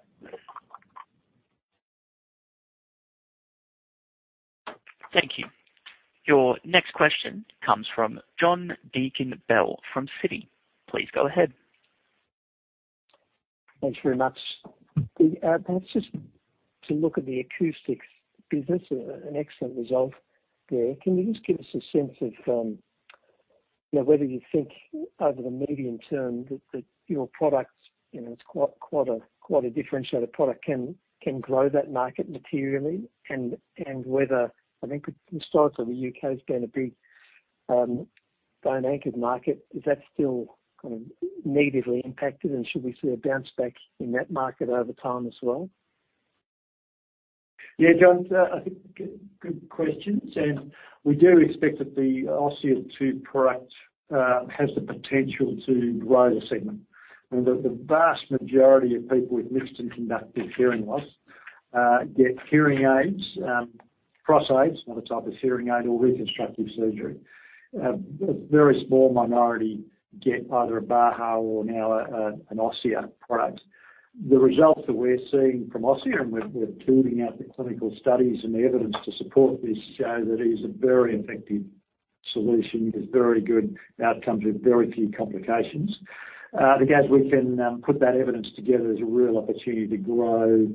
Thank you. Your next question comes from John Deakin-Bell from Citi. Please go ahead. Thanks very much. Dig, perhaps just to look at the acoustics business, an excellent result there. Can you just give us a sense of, you know, whether you think over the medium term that your products, you know, it's quite a differentiator product can grow that market materially and whether I think the size of the U.K. has been a big bone anchored market. Is that still kind of negatively impacted and should we see a bounce back in that market over time as well? John, I think good questions. We do expect that the Osia 2 product has the potential to grow the segment. The vast majority of people with mixed and conductive hearing loss get hearing aids, processor aids, another type of hearing aid or reconstructive surgery. A very small minority get either a Baha or now an Osia product. The results that we're seeing from Osia, and we're turning to the clinical studies and the evidence to support this show that it is a very effective solution with very good outcomes with very few complications. I think as we can put that evidence together, there's a real opportunity to grow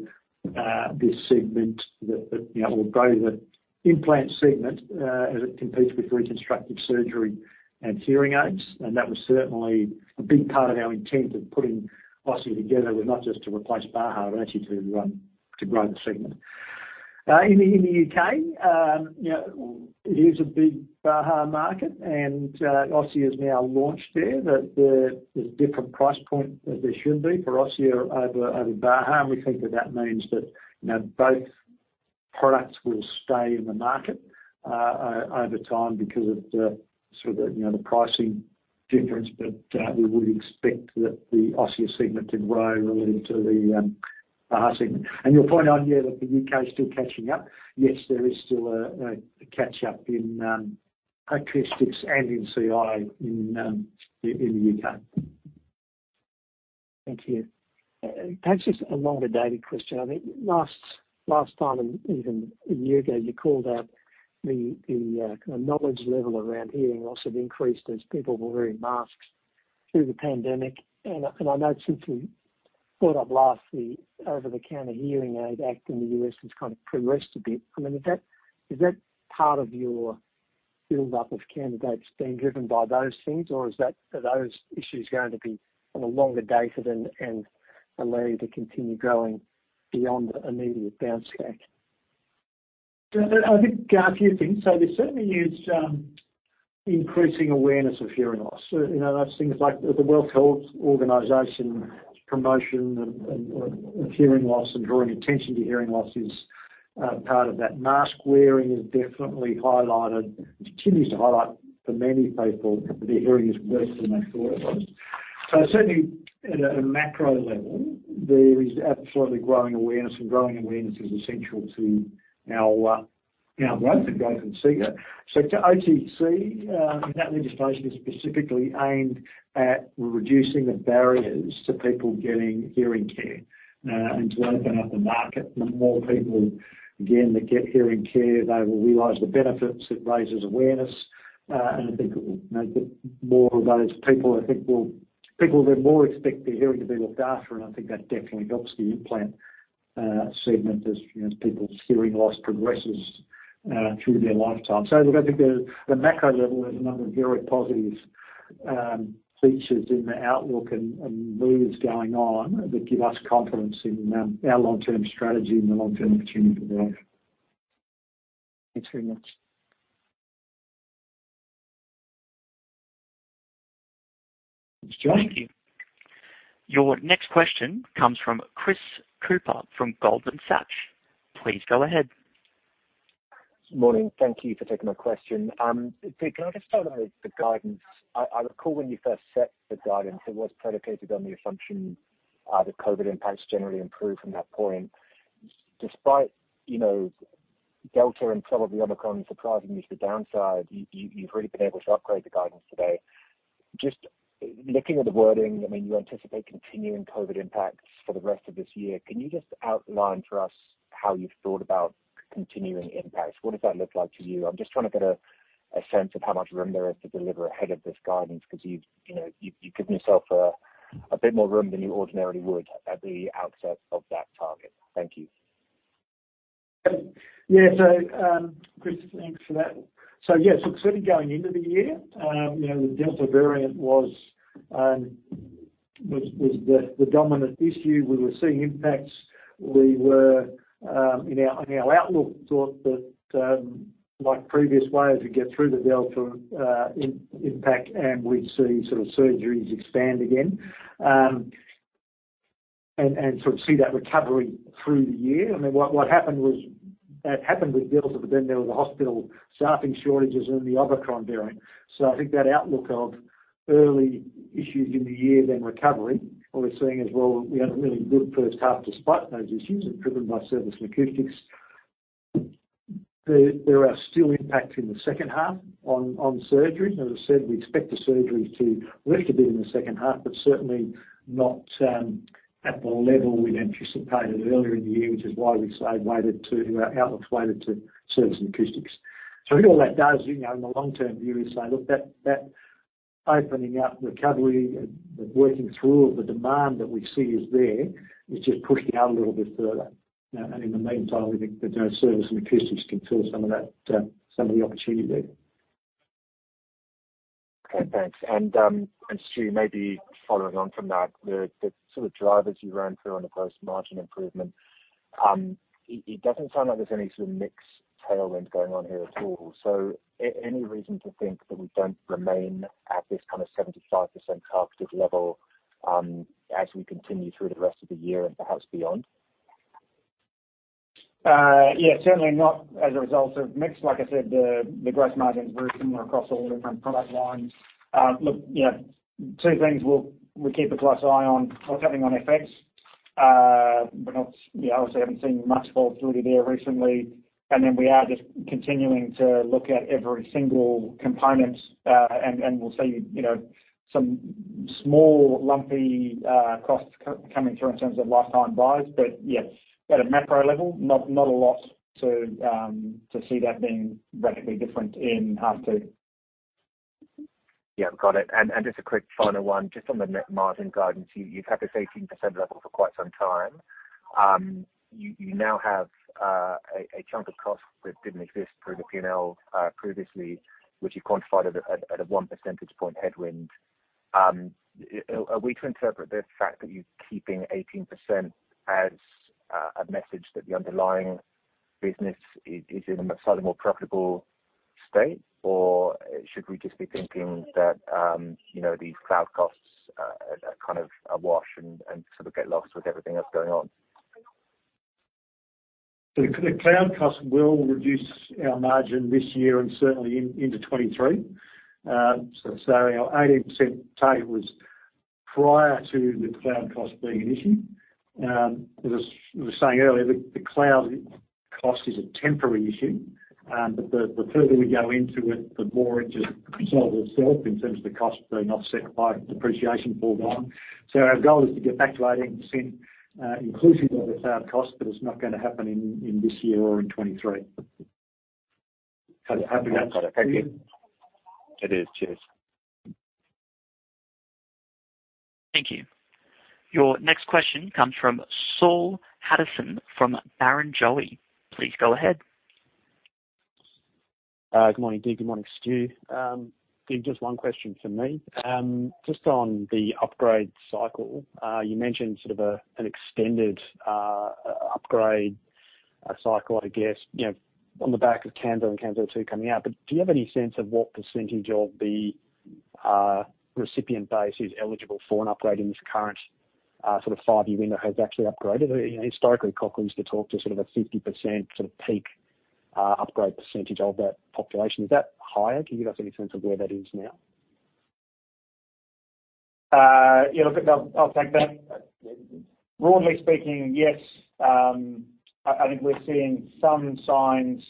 this segment that or grow the implant segment as it competes with reconstructive surgery and hearing aids. That was certainly a big part of our intent of putting Osia together, was not just to replace Baha, but actually to grow the segment. In the U.K., you know, it is a big Baha market and Osia's now launched there. There's different price point as there should be for Osia over Baha. We think that means that, you know, both products will stay in the market over time because of the sort of, you know, the pricing difference, but we would expect that the Osia segment to grow relative to the Baha segment. Your point on, yeah, that the U.K. is still catching up. Yes, there is still a catch up in acoustics and in CI in the U.K. Thank you. Perhaps just a longer-dated question. I think last time, and even a year ago, you called out the kind of knowledge level around hearing loss have increased as people were wearing masks through the pandemic. I know since we caught up last, the Over-the-Counter Hearing Aid Act in the U.S. has kind of progressed a bit. I mean, is that part of your build-up of candidates being driven by those things, or are those issues going to be on a longer-dated and allow you to continue growing beyond the immediate bounce back? I think a few things. There certainly is increasing awareness of hearing loss. You know, that's things like the World Health Organization promotion of hearing loss and drawing attention to hearing loss is part of that. Mask-wearing has definitely highlighted, continues to highlight for many people that their hearing is worse than they thought it was. Certainly at a macro level, there is absolutely growing awareness, and growing awareness is essential to our growth and growth in Segment. To OTC, that legislation is specifically aimed at reducing the barriers to people getting hearing care and to open up the market. The more people, again, that get hearing care, they will realize the benefits. It raises awareness, and I think it will make it more of those people, I think, will. People will then more expect their hearing to be looked after, and I think that definitely helps the implant segment as, you know, as people's hearing loss progresses through their lifetime. Look, I think the macro level, there's a number of very positive features in the outlook and moves going on that give us confidence in our Long-Term strategy and the Long-Term opportunity for growth. Thanks very much. Thanks, John. Thank you. Your next question comes from Chris Cooper from Goldman Sachs. Please go ahead. Morning. Thank you for taking my question. Dig, can I just start on the guidance? I recall when you first set the guidance, it was predicated on the assumption that COVID impacts generally improved from that point. Despite, you know, Delta and some of the Omicron surprisingly to the downside, you've really been able to upgrade the guidance today. Just looking at the wording, I mean, you anticipate continuing COVID impacts for the rest of this year. Can you just outline for us how you've thought about continuing impacts? What does that look like to you? I'm just trying to get a sense of how much room there is to deliver ahead of this guidance 'cause you know, you've given yourself a bit more room than you ordinarily would at the outset of that target. Thank you. Yeah. Chris, thanks for that. Yes, look, certainly going into the year, you know, the Delta variant was the dominant issue. We were seeing impacts. We were in our outlook thought that, like previous waves, we'd get through the Delta impact, and we'd see sort of surgeries expand again and sort of see that recovery through the year. I mean, what happened was that happened with Delta, but then there were the hospital staffing shortages and the Omicron variant. I think that outlook of early issues in the year then recovering, what we're seeing is, well, we had a really good first 1/2 despite those issues and driven by Service and Accessories. There are still impacts in the second 1/2 on surgery. As I said, we expect the surgeries to lift a bit in the second 1/2, but certainly not at the level we'd anticipated earlier in the year, which is why we say our outlook's weighted to Service and Accessories. All that does, you know, in the Long-Term view is say, look, that opening up recovery and the working through of the demand that we see is there is just pushing out a little bit further. In the meantime, we think that, you know, Service and Accessories can fill some of that, some of the opportunity there. Okay, thanks. Stuart, maybe following on from that, the sort of drivers you ran through on the gross margin improvement, it doesn't sound like there's any sort of mix tailwind going on here at all. Any reason to think that we don't remain at this kind of 75% targeted level, as we continue through the rest of the year and perhaps beyond? Yeah, certainly not as a result of mix. Like I said, the gross margin is very similar across all the different product lines. Look, you know, 2 things we keep a close eye on, certainly on FX. But you know, obviously haven't seen much volatility there recently. We are just continuing to look at every single component, and we'll see, you know, some small lumpy costs coming through in terms of lifetime buys. But yeah, at a macro level, not a lot to see that being radically different in 1/2 2. Got it. Just a quick final one, just on the net margin guidance. You've had this 18% level for quite some time. You now have a chunk of costs that didn't exist through the P&L previously, which you quantified at a one percentage point headwind. Are we to interpret the fact that you're keeping 18% as a message that the underlying business is in a slightly more profitable state? Or should we just be thinking that you know, these cloud costs are kind of a wash and sort of get lost with everything else going on? The cloud cost will reduce our margin this year and certainly into 2023. Our 18% take was prior to the cloud cost being an issue. As I was saying earlier, the cloud cost is a temporary issue. But the further we go into it, the more it just solves itself in terms of the cost being offset by depreciation further on. Our goal is to get back to 18%, inclusive of the cloud cost, but it's not gonna happen in this year or in 2023. Got it. Thank you. Happy to. It is. Cheers. Thank you. Your next question comes from Saul Hadsassin from Barrenjoey. Please go ahead. Good morning, Dig. Good morning, Stuart. Dig, just one question from me. Just on the upgrade cycle. You mentioned sort of an extended upgrade cycle, I guess, you know, on the back of Kanso and Kanso 2 coming out. Do you have any sense of what percentage of the recipient base is eligible for an upgrade in this current sort of 5-year window has actually upgraded? Historically, Cochlear used to talk to sort of a 50% sort of peak upgrade percentage of that population. Is that higher? Can you give us any sense of where that is now? Yeah, look, I'll take that. Broadly speaking, yes. I think we're seeing some signs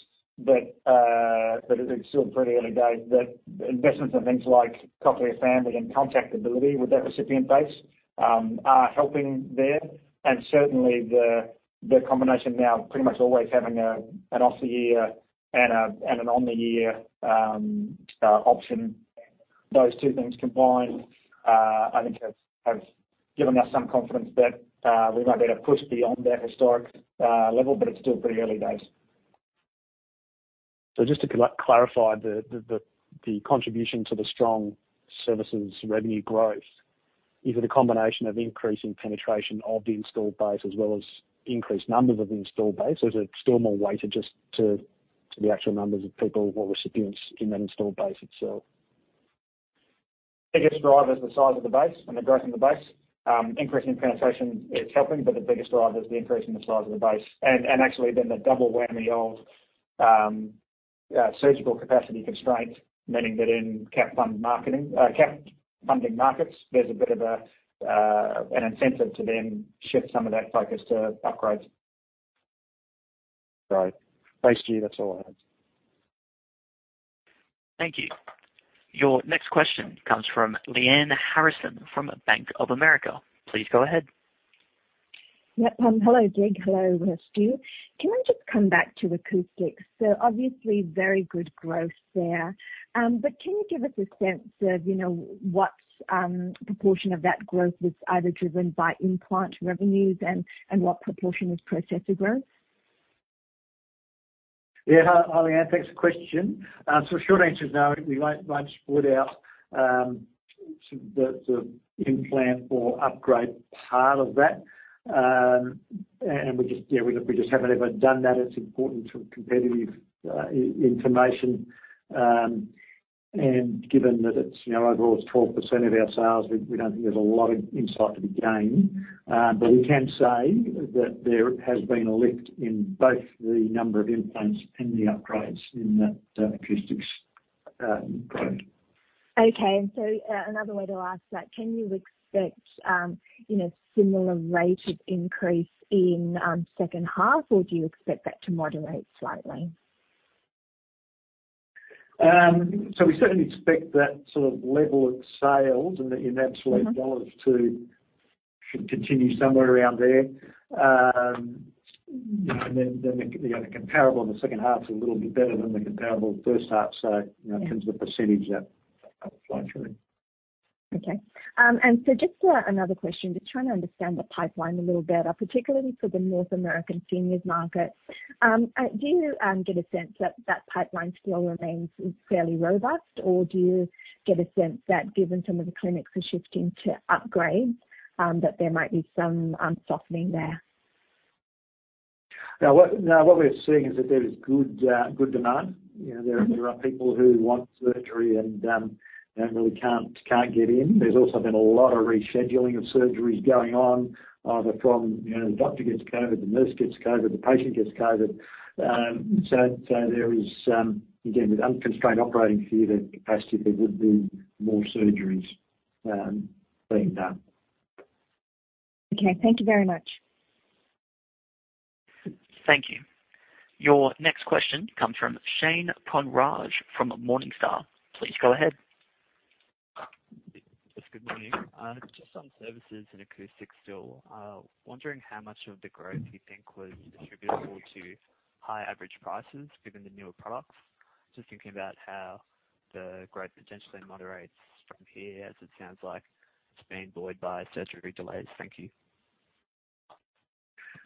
that it's still pretty early days, that investments in things like Cochlear Family and connectability with that recipient base are helping there. Certainly the combination now pretty much always having an off-the-ear and an on-the-ear option. Those 2 things combined, I think have given us some confidence that we might get a push beyond that historic level, but it's still pretty early days. Just to clarify the contribution to the strong services revenue growth, is it a combination of increasing penetration of the installed base as well as increased numbers of the installed base? Or is it still more weighted just to the actual numbers of people or recipients in that installed base itself? Biggest driver is the size of the base and the growth in the base. Increasing penetration is helping, but the biggest driver is the increase in the size of the base. Actually then the double whammy of surgical capacity constraints, meaning that in CAP-funded markets, there's a bit of an incentive to then shift some of that focus to upgrades. Great. Thanks, Stuart. That's all I had. Thank you. Your next question comes from Lyanne Harrison from Bank of America. Please go ahead. Hello, Dig. Hello, Stuart. Can I just come back to Acoustics? Obviously very good growth there. Can you give us a sense of, you know, what proportion of that growth was either driven by implant revenues and what proportion is processor growth? Hi, Lyanne. Thanks for the question. So short answer is no, we won't split out sort of the implant or upgrade part of that. We just haven't ever done that. It's important to competitive information. Given that it's, you know, overall it's 12% of our sales, we don't think there's a lot of insight to be gained. But we can say that there has been a lift in both the number of implants and the upgrades in that accessories product. Another way to ask that, can you expect, you know, similar rate of increase in second 1/2, or do you expect that to moderate slightly? We certainly expect that sort of level of sales and that unit sale. Mm-hmm... dollars, too, should continue somewhere around there. You know, then the comparable in the second 1/2 is a little bit better than the comparable first 1/2. You know- Yeah in terms of the percentage, that will flow through. Okay. Just another question, just trying to understand the pipeline a little better, particularly for the North American seniors market. Do you get a sense that that pipeline flow remains, is fairly robust, or do you get a sense that given some of the clinics are shifting to upgrades, that there might be some softening there? Now what we're seeing is that there is good demand. You know, there are people who want surgery and really can't get in. There's also been a lot of rescheduling of surgeries going on, either from, you know, the doctor gets COVID, the nurse gets COVID, the patient gets COVID. So there is, again, with unconstrained operating theater capacity, there would be more surgeries being done. Okay. Thank you very much. Thank you. Your next question comes from Shane Counihan from Morningstar. Please go ahead. Yes. Good morning. Just on Services and Acoustics still. Wondering how much of the growth you think was attributable to high average prices given the newer products? Just thinking about how the growth potentially moderates from here, as it sounds like it's being buoyed by surgery delays. Thank you.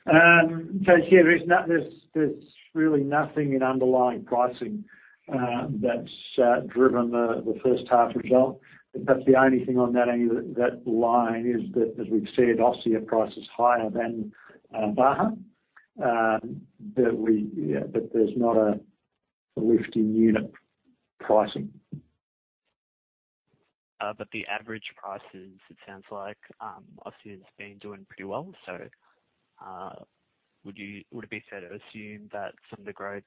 Yeah, there's really nothing in underlying pricing that's driven the first 1/2 result. That's the only thing on that line is that as we've said, Osia price is higher than Baha. We, you know, but there's not a lift in unit pricing. The average prices, it sounds like, Osia's been doing pretty well. Would it be fair to assume that some of the growth's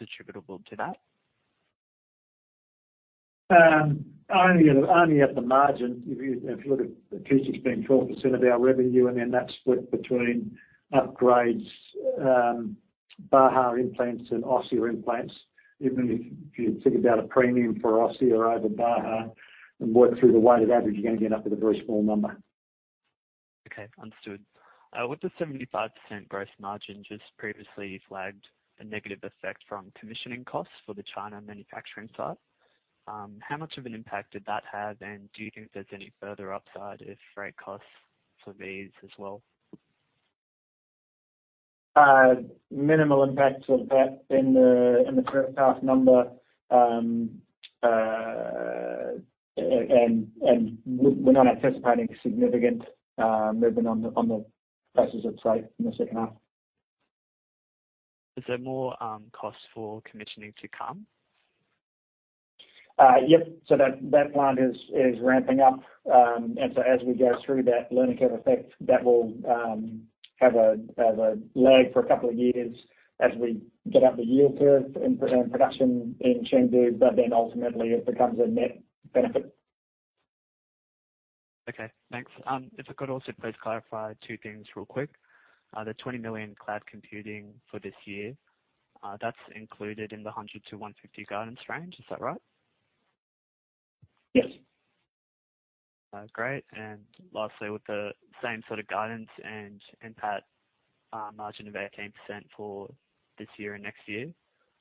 attributable to that? Only at the margin. If you look, it's been 12% of our revenue, and then that's split between upgrades, Baha implants and Osia implants. Even if you think about a premium for Osia over Baha and work through the weighted average, you're gonna end up with a very small number. Okay, understood. With the 75% gross margin just previously flagged a negative effect from commissioning costs for the China manufacturing side, how much of an impact did that have? Do you think there's any further upside if freight costs for these as well? Minimal impact of that in the first 1/2 number. We're not anticipating significant movement on the prices of freight in the second 1/2. Is there more cost for commissioning to come? Yep. That plant is ramping up. As we go through that learning curve effect, that will have a lag for a couple of years as we get up the yield curve in production in Chengdu, but then ultimately it becomes a net benefit. Okay, thanks. If I could also please clarify 2 things real quick. The 20 million cloud computing for this year, that's included in the 100 million-150 million guidance range. Is that right? Yes. Great. Lastly, with the same sort of guidance and PAT margin of 18% for this year and next year,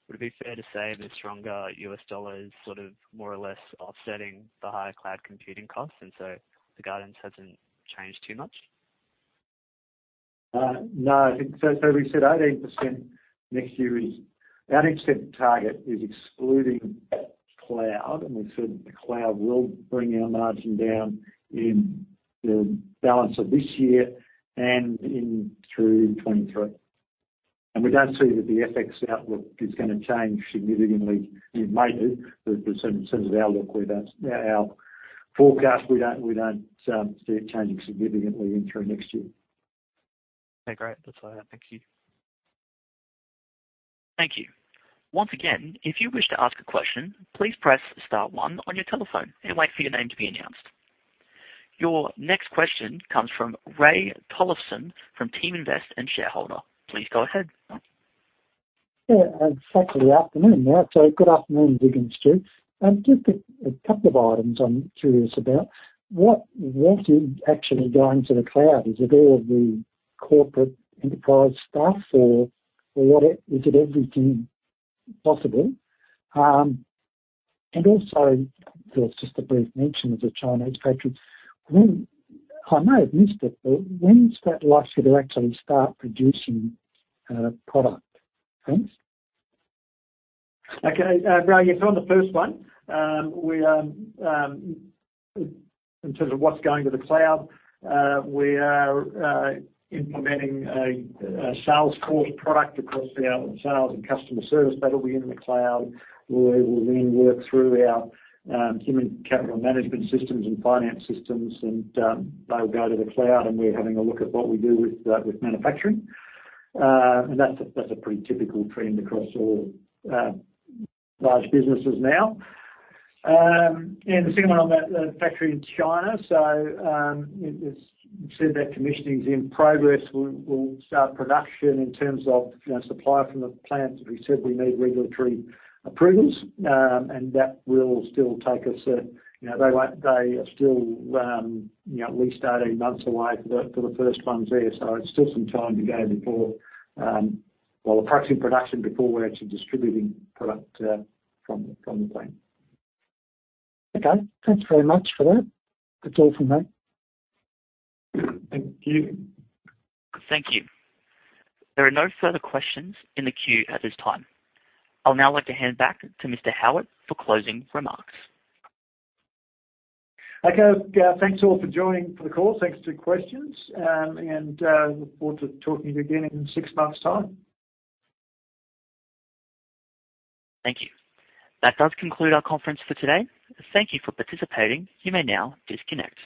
would it be fair to say the stronger U.S. dollar is sort of more or less offsetting the higher cloud computing costs, and so the guidance hasn't changed too much? No. We said 18% next year is 18% target excluding cloud, and we said that the cloud will bring our margin down in the balance of this year and through 2023. We don't see that the FX outlook is gonna change significantly. It may do, but in terms of our forecast, we don't see it changing significantly through next year. Okay, great. That's all. Thank you. Thank you. Once again, if you wish to ask a question, please press star one on your telephone and wait for your name to be announced. Your next question comes from Ray Tollefson from Team Invest and Shareholder. Please go ahead. It's actually the afternoon now. Good afternoon, Dig and Stu. Just a couple of items I'm curious about. What is actually going to the cloud? Is it all of the corporate enterprise stuff or what? Is it everything possible? And also, there was just a brief mention of the Chinese factory. I may have missed it, but when is that likely to actually start producing product? Thanks. Okay. Ray, on the first one, we are in terms of what's going to the cloud, we are implementing a Salesforce product across our sales and customer service. That'll be in the cloud. We'll then work through our human capital management systems and finance systems and they'll go to the cloud, and we're having a look at what we do with manufacturing. And that's a pretty typical trend across all large businesses now. And the second one on that, the factory in China. As we've said that commissioning is in progress. We'll start production in terms of you know supply from the plants. We said we need regulatory approvals and that will still take us a... You know, they are still, you know, at least 18 months away for the first ones there. So it's still some time to go before, well, approaching production before we're actually distributing product from the plant. Okay. Thanks very much for that. That's all from me. Thank you. Thank you. There are no further questions in the queue at this time. I'll now like to hand back to Mr. Howitt for closing remarks. Okay. Thanks all for joining for the call. Thanks for the questions. Look forward to talking to you again in 6 months' time. Thank you. That does conclude our conference for today. Thank you for participating. You may now disconnect.